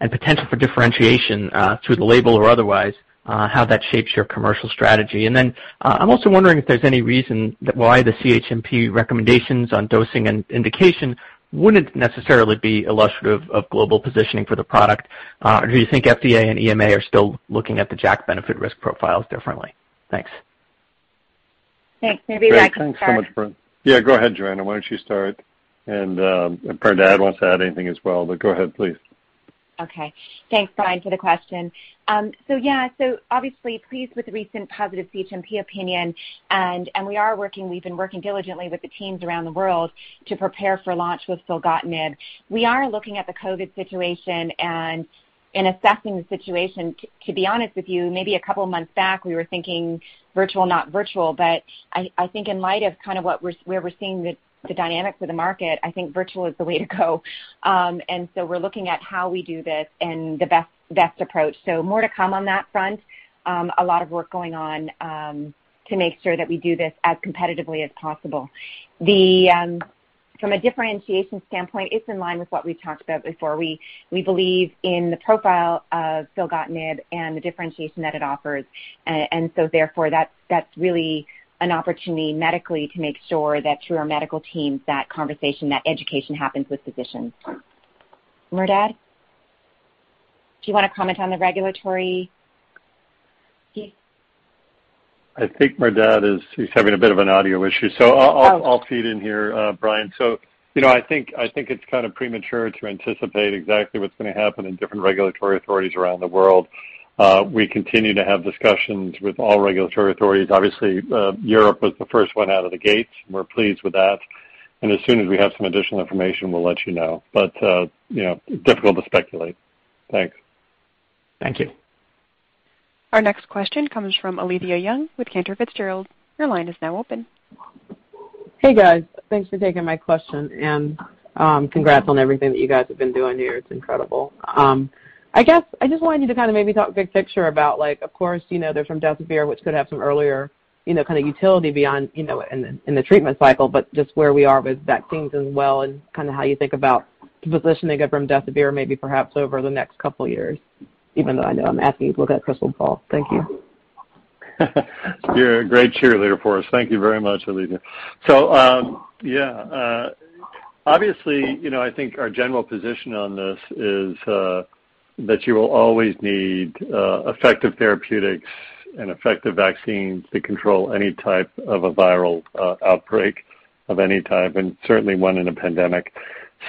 and potential for differentiation through the label or otherwise, how that shapes your commercial strategy. Then I'm also wondering if there's any reason why the CHMP recommendations on dosing and indication wouldn't necessarily be illustrative of global positioning for the product. Do you think FDA and EMA are still looking at the JAK benefit risk profiles differently? Thanks. Thanks. Maybe I can start. Thanks so much, Brian. Yeah, go ahead, Johanna. Why don't you start? Merdad wants to add anything as well. Go ahead, please. Okay. Thanks, Brian, for the question. Yeah. Obviously pleased with the recent positive CHMP opinion, we've been working diligently with the teams around the world to prepare for launch with filgotinib. We are looking at the COVID situation and assessing the situation. To be honest with you, maybe a couple of months back, we were thinking virtual, not virtual, but I think in light of where we're seeing the dynamics of the market, I think virtual is the way to go. We're looking at how we do this and the best approach. More to come on that front. A lot of work going on to make sure that we do this as competitively as possible. From a differentiation standpoint, it's in line with what we talked about before. We believe in the profile of filgotinib and the differentiation that it offers. Therefore that's really an opportunity medically to make sure that through our medical teams, that conversation, that education happens with physicians. Merdad? Do you want to comment on the regulatory piece? I think Merdad is having a bit of an audio issue, I'll feed in here, Brian. I think it's kind of premature to anticipate exactly what's going to happen in different regulatory authorities around the world. We continue to have discussions with all regulatory authorities. Obviously, Europe was the first one out of the gates, and we're pleased with that. As soon as we have some additional information, we'll let you know. Difficult to speculate. Thanks. Thank you. Our next question comes from Alethia Young with Cantor Fitzgerald. Your line is now open. Hey, guys. Thanks for taking my question and congrats on everything that you guys have been doing here. It's incredible. I guess I just wanted you to kind of maybe talk big picture about, of course, there's remdesivir, which could have some earlier kind of utility beyond in the treatment cycle, but just where we are with vaccines as well, and kind of how you think about the positioning of remdesivir maybe perhaps over the next couple of years, even though I know I'm asking you to look at a crystal ball. Thank you. You're a great cheerleader for us. Thank you very much, Alethia. Obviously I think our general position on this is that you will always need effective therapeutics and effective vaccines to control any type of a viral outbreak of any type, and certainly one in a pandemic.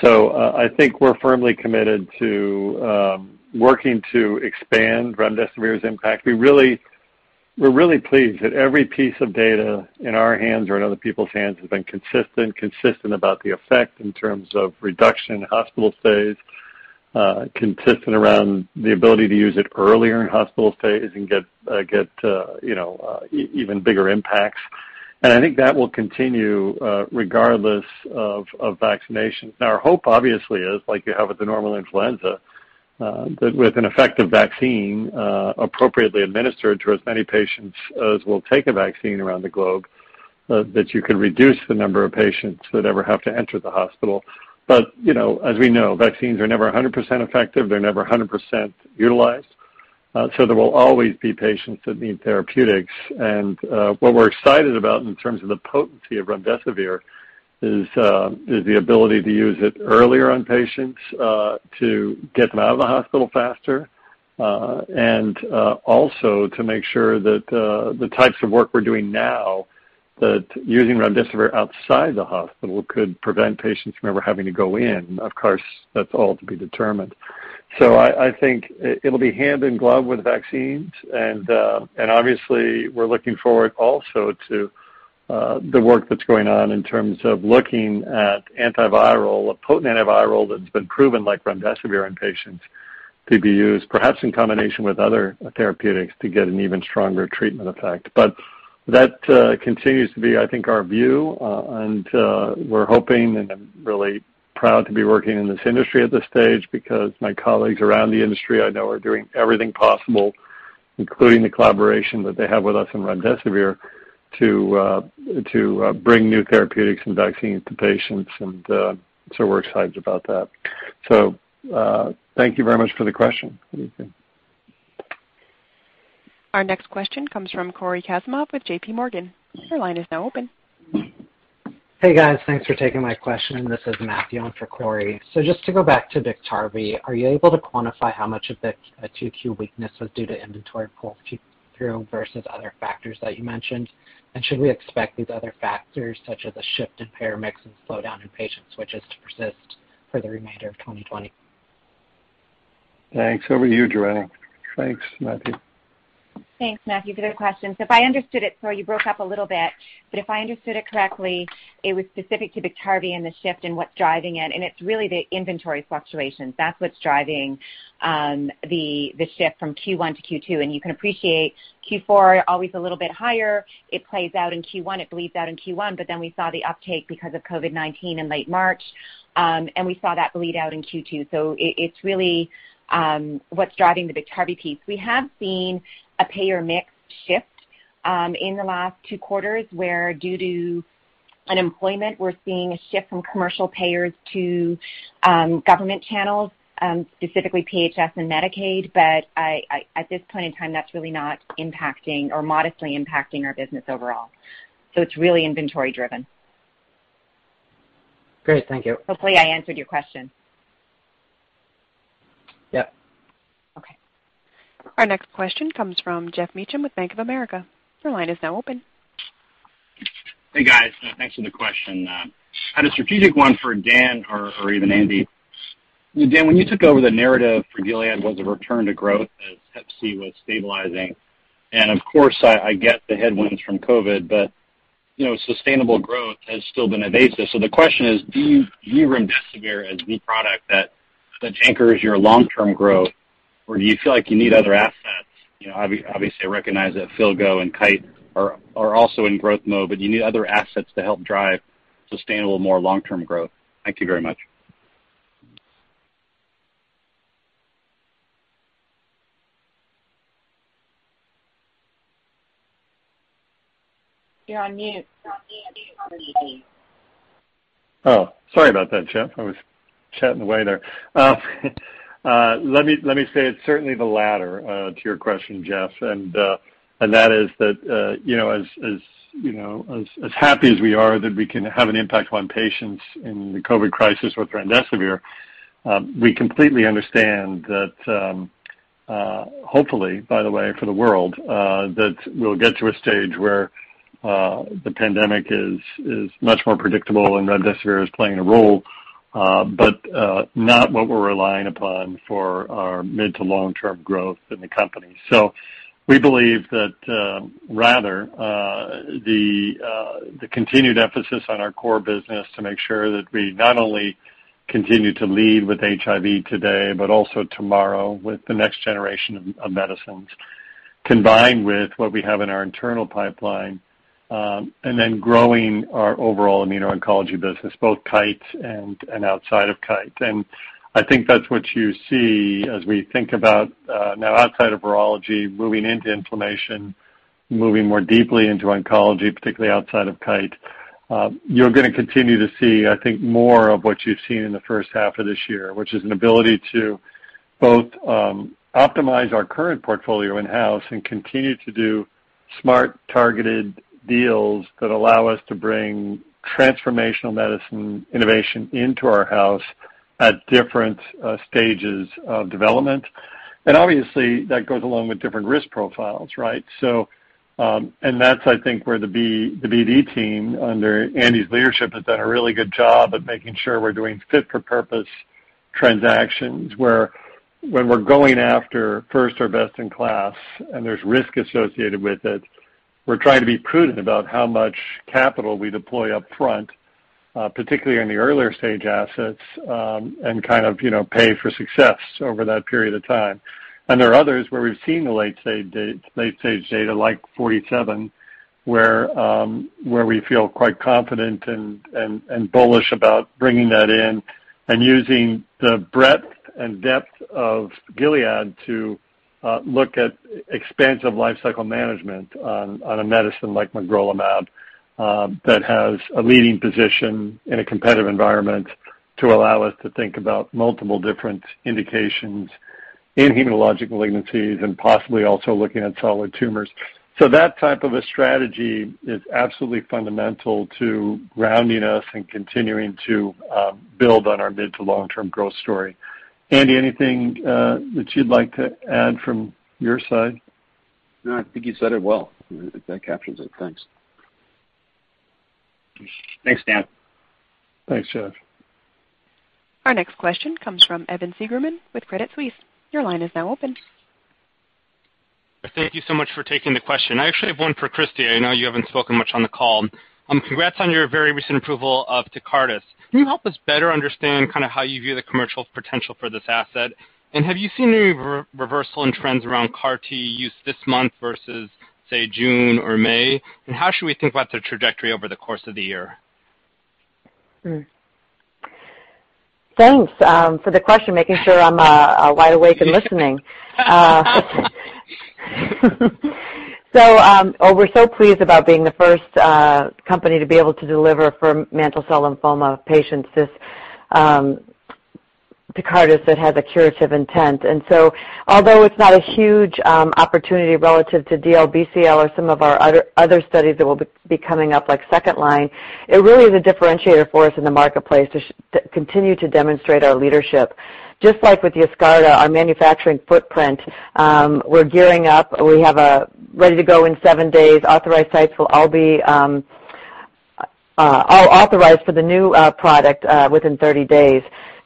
I think we're firmly committed to working to expand remdesivir's impact. We're really pleased that every piece of data in our hands or in other people's hands has been consistent. Consistent about the effect in terms of reduction in hospital stays, consistent around the ability to use it earlier in hospital stays and get even bigger impacts. I think that will continue regardless of vaccination. Our hope obviously is, like you have with the normal influenza, that with an effective vaccine appropriately administered to as many patients as will take a vaccine around the globe, that you can reduce the number of patients that ever have to enter the hospital. As we know, vaccines are never 100% effective. They're never 100% utilized. There will always be patients that need therapeutics, and what we're excited about in terms of the potency of remdesivir is the ability to use it earlier on patients to get them out of the hospital faster. Also to make sure that the types of work we're doing now, that using remdesivir outside the hospital could prevent patients from ever having to go in. Of course, that's all to be determined. I think it'll be hand in glove with vaccines and obviously we're looking forward also to the work that's going on in terms of looking at antiviral, a potent antiviral that's been proven, like remdesivir in patients to be used perhaps in combination with other therapeutics to get an even stronger treatment effect. That continues to be, I think, our view and we're hoping, and I'm really proud to be working in this industry at this stage because my colleagues around the industry I know are doing everything possible, including the collaboration that they have with us in remdesivir to bring new therapeutics and vaccines to patients and so we're excited about that. Thank you very much for the question, Alethia. Our next question comes from Cory Kasimov with J.P. Morgan. Your line is now open. Hey, guys. Thanks for taking my question. This is Matthew on for Cory. Just to go back to Biktarvy, are you able to quantify how much of the Q2 weakness was due to inventory pull through versus other factors that you mentioned? Should we expect these other factors, such as a shift in payer mix and slowdown in patient switches to persist for the remainder of 2020? Thanks. Over to you, Johanna. Thanks, Matthew. Thanks, Matthew, for the question. Sorry, you broke up a little bit. If I understood it correctly, it was specific to Biktarvy and the shift and what's driving it. It's really the inventory fluctuations. That's what's driving the shift from Q1 to Q2. You can appreciate Q4 always a little bit higher. It plays out in Q1, it bleeds out in Q1. We saw the uptake because of COVID-19 in late March. We saw that bleed out in Q2. It's really what's driving the Biktarvy piece. We have seen a payer mix shift in the last two quarters where due to unemployment, we're seeing a shift from commercial payers to government channels, specifically PHS and Medicaid. At this point in time, that's really not impacting or modestly impacting our business overall. It's really inventory driven. Great. Thank you. Hopefully I answered your question. Yep. Okay. Our next question comes from Geoff Meacham with Bank of America. Your line is now open. Hey, guys. Thanks for the question. Had a strategic one for Dan or even Andy. Dan, when you took over the narrative for Gilead was a return to growth as HCV was stabilizing, and of course, I get the headwinds from COVID-19, but sustainable growth has still been evasive. The question is, do you view remdesivir as the product that anchors your long-term growth, or do you feel like you need other assets? Obviously, I recognize that filgotinib and Kite are also in growth mode, but you need other assets to help drive sustainable, more long-term growth. Thank you very much. You're on mute. Oh, sorry about that, Geoff. I was chatting away there. Let me say it's certainly the latter to your question, Geoff, and that is that as happy as we are that we can have an impact on patients in the COVID crisis with remdesivir, we completely understand that hopefully, by the way, for the world, that we'll get to a stage where the pandemic is much more predictable and remdesivir is playing a role, but not what we're relying upon for our mid to long-term growth in the company. We believe that rather the continued emphasis on our core business to make sure that we not only continue to lead with HIV today, but also tomorrow with the next generation of medicines, combined with what we have in our internal pipeline. Growing our overall immuno-oncology business, both Kite and outside of Kite. I think that's what you see as we think about now outside of virology, moving into inflammation, moving more deeply into oncology, particularly outside of Kite. You're going to continue to see, I think, more of what you've seen in the first half of this year, which is an ability to both optimize our current portfolio in-house and continue to do smart, targeted deals that allow us to bring transformational medicine innovation into our house at different stages of development. Obviously, that goes along with different risk profiles, right? That's, I think, where the BD team under Andy's leadership has done a really good job of making sure we're doing fit for purpose transactions, where when we're going after first or best in class and there's risk associated with it, we're trying to be prudent about how much capital we deploy up front, particularly in the earlier stage assets, and pay for success over that period of time. There are others where we've seen the late-stage data like Forty Seven, where we feel quite confident and bullish about bringing that in and using the breadth and depth of Gilead to look at expansive life cycle management on a medicine like magrolimab, that has a leading position in a competitive environment to allow us to think about multiple different indications in hematologic malignancies and possibly also looking at solid tumors. That type of a strategy is absolutely fundamental to grounding us and continuing to build on our mid to long-term growth story. Andy, anything that you'd like to add from your side? No, I think you said it well. That captures it. Thanks. Thanks, Dan. Thanks, Geoff. Our next question comes from Evan Seigerman with Credit Suisse. Your line is now open. Thank you so much for taking the question. I actually have one for Christi. I know you haven't spoken much on the call. Congrats on your very recent approval of Tecartus. Can you help us better understand how you view the commercial potential for this asset? Have you seen any reversal in trends around CAR T use this month versus, say, June or May? How should we think about the trajectory over the course of the year? Thanks for the question, making sure I'm wide awake and listening. We're so pleased about being the first company to be able to deliver for mantle cell lymphoma patients this Tecartus that has a curative intent. Although it's not a huge opportunity relative to DLBCL or some of our other studies that will be coming up like second line, it really is a differentiator for us in the marketplace to continue to demonstrate our leadership. Just like with Yescarta, our manufacturing footprint, we're gearing up. We have a ready-to-go-in-seven-days authorized sites will all be authorized for the new product within 30 days.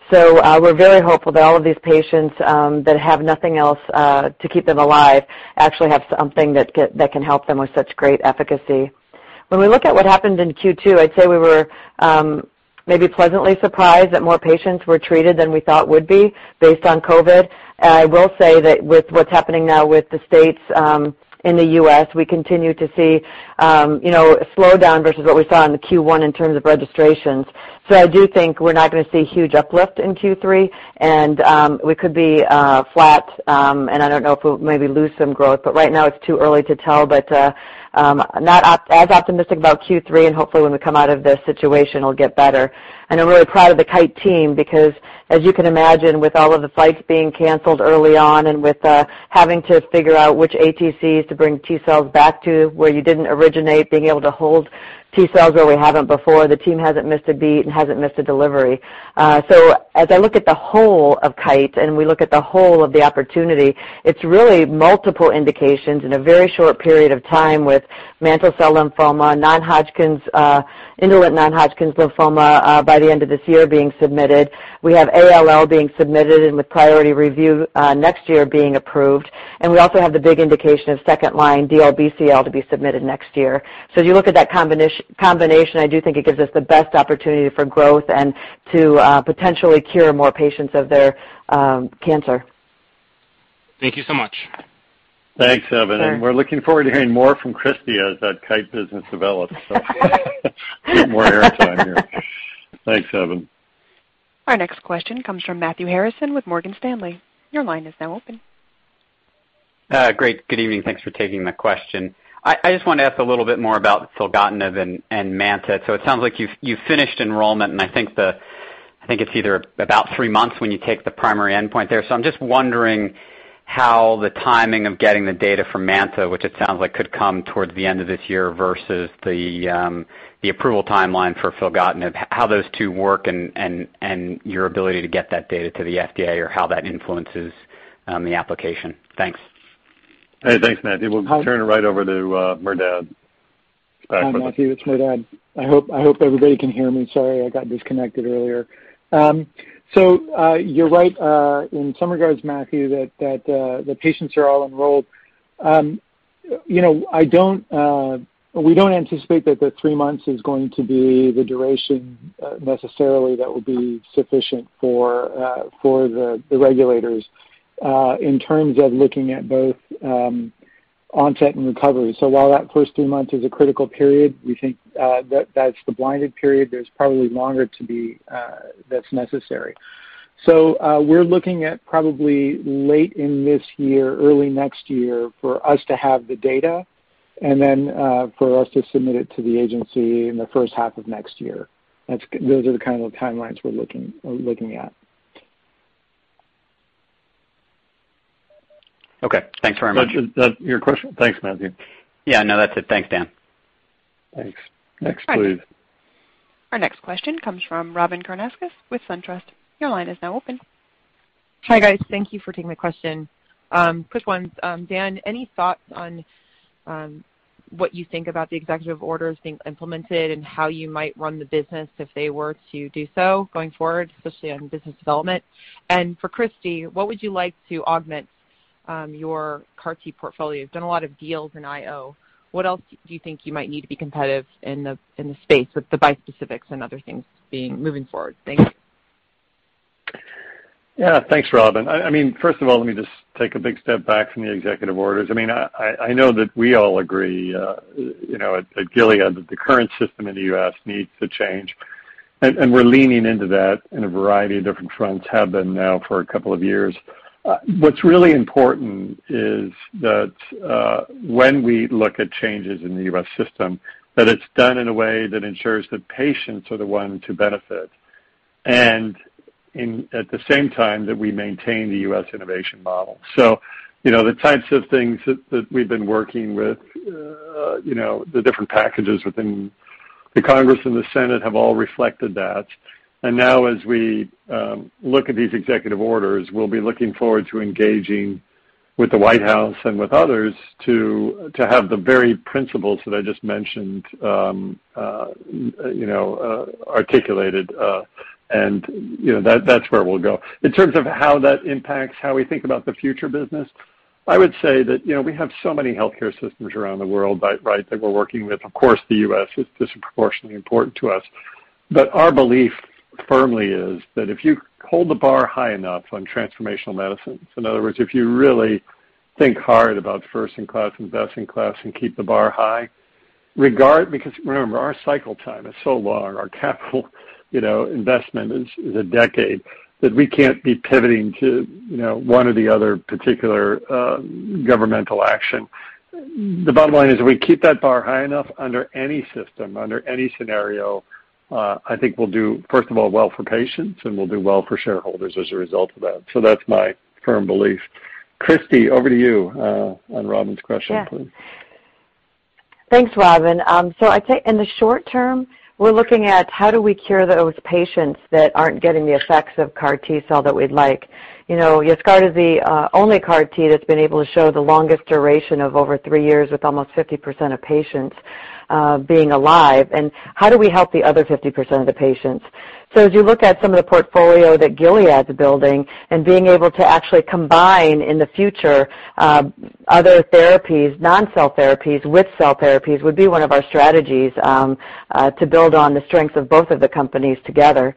We're very hopeful that all of these patients that have nothing else to keep them alive actually have something that can help them with such great efficacy. When we look at what happened in Q2, I'd say we were maybe pleasantly surprised that more patients were treated than we thought would be based on COVID. I will say that with what's happening now with the states in the U.S., we continue to see a slowdown versus what we saw in the Q1 in terms of registrations. I do think we're not going to see a huge uplift in Q3, and we could be flat, and I don't know if we'll maybe lose some growth, but right now it's too early to tell, but not as optimistic about Q3 and hopefully when we come out of this situation, it'll get better. I'm really proud of the Kite team because as you can imagine, with all of the flights being canceled early on and with having to figure out which TCRs to bring T-cells back to where you didn't originate, being able to hold T-cells where we haven't before, the team hasn't missed a beat and hasn't missed a delivery. As I look at the whole of Kite, and we look at the whole of the opportunity, it's really multiple indications in a very short period of time with mantle cell lymphoma, indolent non-Hodgkin's lymphoma by the end of this year being submitted. We have ALL being submitted and with priority review next year being approved. We also have the big indication of second-line DLBCL to be submitted next year. As you look at that combination, I do think it gives us the best opportunity for growth and to potentially cure more patients of their cancer. Thank you so much. Thanks, Evan. We're looking forward to hearing more from Christi as that Kite business develops. Get more air time here. Thanks, Evan. Our next question comes from Matthew Harrison with Morgan Stanley. Your line is now open. Great. Good evening. Thanks for taking my question. I just wanted to ask a little bit more about filgotinib and MANTA. It sounds like you've finished enrollment, and I think it's either about three months when you take the primary endpoint there. I'm just wondering how the timing of getting the data from MANTA, which it sounds like could come towards the end of this year, versus the approval timeline for filgotinib, how those two work and your ability to get that data to the FDA or how that influences the application. Thanks. Hey, thanks, Matthew. We'll turn it right over to Merdad. Hi, Matthew, it's Merdad. I hope everybody can hear me. Sorry, I got disconnected earlier. You're right in some regards, Matthew, that the patients are all enrolled. We don't anticipate that the three months is going to be the duration necessarily that will be sufficient for the regulators in terms of looking at both onset and recovery. While that first three months is a critical period, we think that that's the blinded period. There's probably longer to be that's necessary. We're looking at probably late in this year, early next year for us to have the data, and then for us to submit it to the agency in the first half of next year. Those are the kind of timelines we're looking at. Okay. Thanks very much. Does that your question? Thanks, Matthew. Yeah, no, that's it. Thanks, Dan. Thanks. Next, please. Our next question comes from Robyn Karnauskas with Truist. Your line is now open. Hi, guys. Thank you for taking the question. First one, Dan, any thoughts on what you think about the executive orders being implemented and how you might run the business if they were to do so going forward, especially on business development? For Christi, what would you like to augment your CAR T portfolio? You've done a lot of deals in IO. What else do you think you might need to be competitive in the space with the bispecifics and other things moving forward? Thanks. Yeah. Thanks, Robyn. First of all, let me just take a big step back from the executive orders. I know that we all agree, at Gilead, that the current system in the U.S. needs to change. We're leaning into that in a variety of different fronts, have been now for a couple of years. What's really important is that when we look at changes in the U.S. system, that it's done in a way that ensures that patients are the one to benefit, and at the same time, that we maintain the U.S. innovation model. The types of things that we've been working with, the different packages within the Congress and the Senate have all reflected that. Now as we look at these executive orders, we'll be looking forward to engaging with the White House and with others to have the very principles that I just mentioned articulated, and that's where we'll go. In terms of how that impacts how we think about the future business, I would say that we have so many healthcare systems around the world, right, that we're working with. Of course, the U.S. is disproportionately important to us. Our belief firmly is that if you hold the bar high enough on transformational medicines, in other words, if you really think hard about first in class and best in class and keep the bar high, regardless because remember, our cycle time is so long, our capital investment is a decade, that we can't be pivoting to one or the other particular governmental action. The bottom line is, if we keep that bar high enough under any system, under any scenario, I think we'll do, first of all, well for patients, and we'll do well for shareholders as a result of that. That's my firm belief. Christi, over to you on Robyn's question, please. Thanks, Robyn. I'd say in the short term, we're looking at how do we cure those patients that aren't getting the effects of CAR T-cell that we'd like? Yescarta is the only CAR T that's been able to show the longest duration of over three years with almost 50% of patients being alive, and how do we help the other 50% of the patients? As you look at some of the portfolio that Gilead's building and being able to actually combine in the future other therapies, non-cell therapies with cell therapies would be one of our strategies to build on the strength of both of the companies together.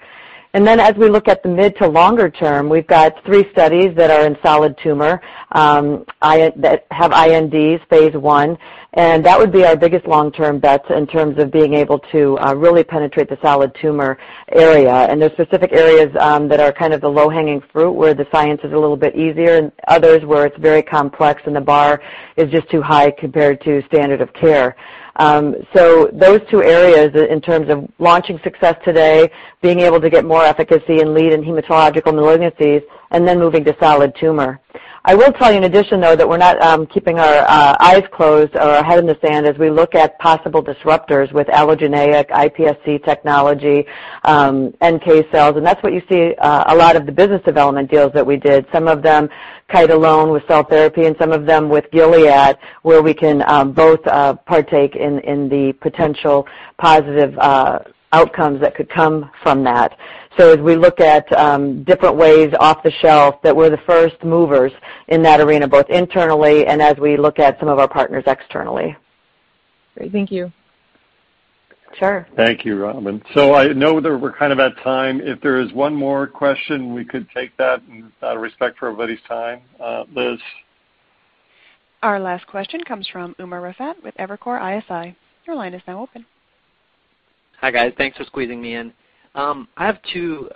As we look at the mid to longer term, we've got three studies that are in solid tumor that have INDs Phase I, and that would be our biggest long-term bets in terms of being able to really penetrate the solid tumor area, and there's specific areas that are kind of the low-hanging fruit where the science is a little bit easier, and others where it's very complex and the bar is just too high compared to standard of care. Those two areas in terms of launching success today, being able to get more efficacy and lead in hematological malignancies, and then moving to solid tumor. I will tell you in addition, though, that we're not keeping our eyes closed or our head in the sand as we look at possible disruptors with allogeneic iPSC technology, NK cells, and that's what you see a lot of the business development deals that we did, some of them Kite alone with cell therapy and some of them with Gilead, where we can both partake in the potential positive outcomes that could come from that. As we look at different ways off the shelf that we're the first movers in that arena, both internally and as we look at some of our partners externally. Great. Thank you. Sure. Thank you, Robyn. I know that we're kind of at time. If there is one more question, we could take that out of respect for everybody's time. Liz? Our last question comes from Umer Raffat with Evercore ISI. Your line is now open. Hi guys. Thanks for squeezing me in. I have two,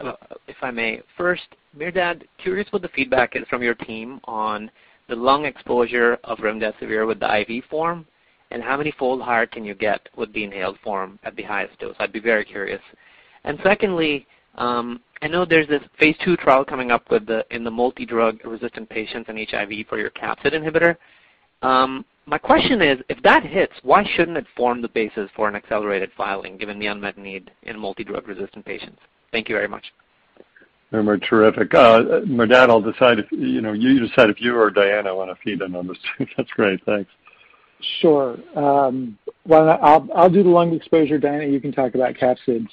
if I may. First, Merdad, curious what the feedback is from your team on the lung exposure of remdesivir with the IV form, and how manyfold higher can you get with the inhaled form at the highest dose? I'd be very curious. Secondly, I know there's this phase II trial coming up in the multi-drug-resistant patients in HIV for your capsid inhibitor. My question is, if that hits, why shouldn't it form the basis for an accelerated filing given the unmet need in multi-drug-resistant patients? Thank you very much. Merdad, you decide if you or Diana want to feed the numbers. That's great. Thanks. Sure. Well, I'll do the lung exposure. Diana, you can talk about capsid.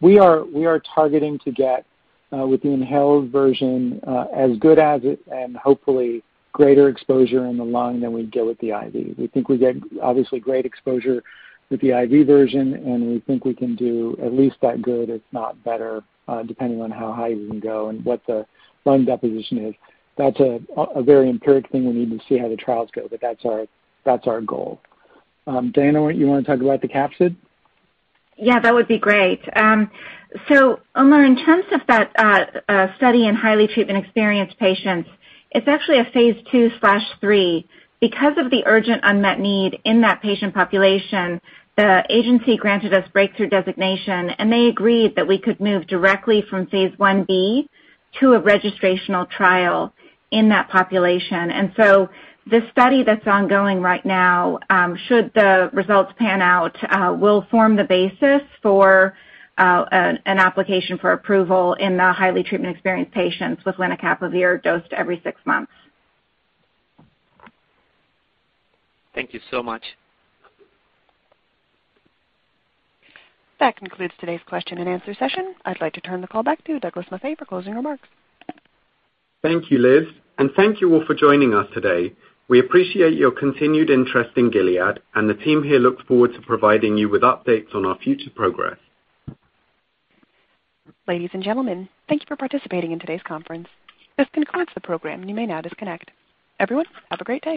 We are targeting to get, with the inhaled version, as good as, and hopefully greater exposure in the lung than we'd get with the IV. We think we get obviously great exposure with the IV version, and we think we can do at least that good, if not better, depending on how high we can go and what the lung deposition is. That's a very empiric thing we need to see how the trials go, but that's our goal. Diana, you want to talk about the capsid? Yeah, that would be great. Umer, in terms of that study in highly treatment-experienced patients, it's actually a phase II/III. Because of the urgent unmet need in that patient population, the agency granted us Breakthrough Therapy designation, and they agreed that we could move directly from phase I-B to a registrational trial in that population. The study that's ongoing right now, should the results pan out, will form the basis for an application for approval in the highly treatment-experienced patients with lenacapavir dosed every six months. Thank you so much. That concludes today's question and answer session. I'd like to turn the call back to Douglas Maffei for closing remarks. Thank you, Liz, and thank you all for joining us today. We appreciate your continued interest in Gilead. The team here looks forward to providing you with updates on our future progress. Ladies and gentlemen, thank you for participating in today's conference. This concludes the program. You may now disconnect. Everyone, have a great day.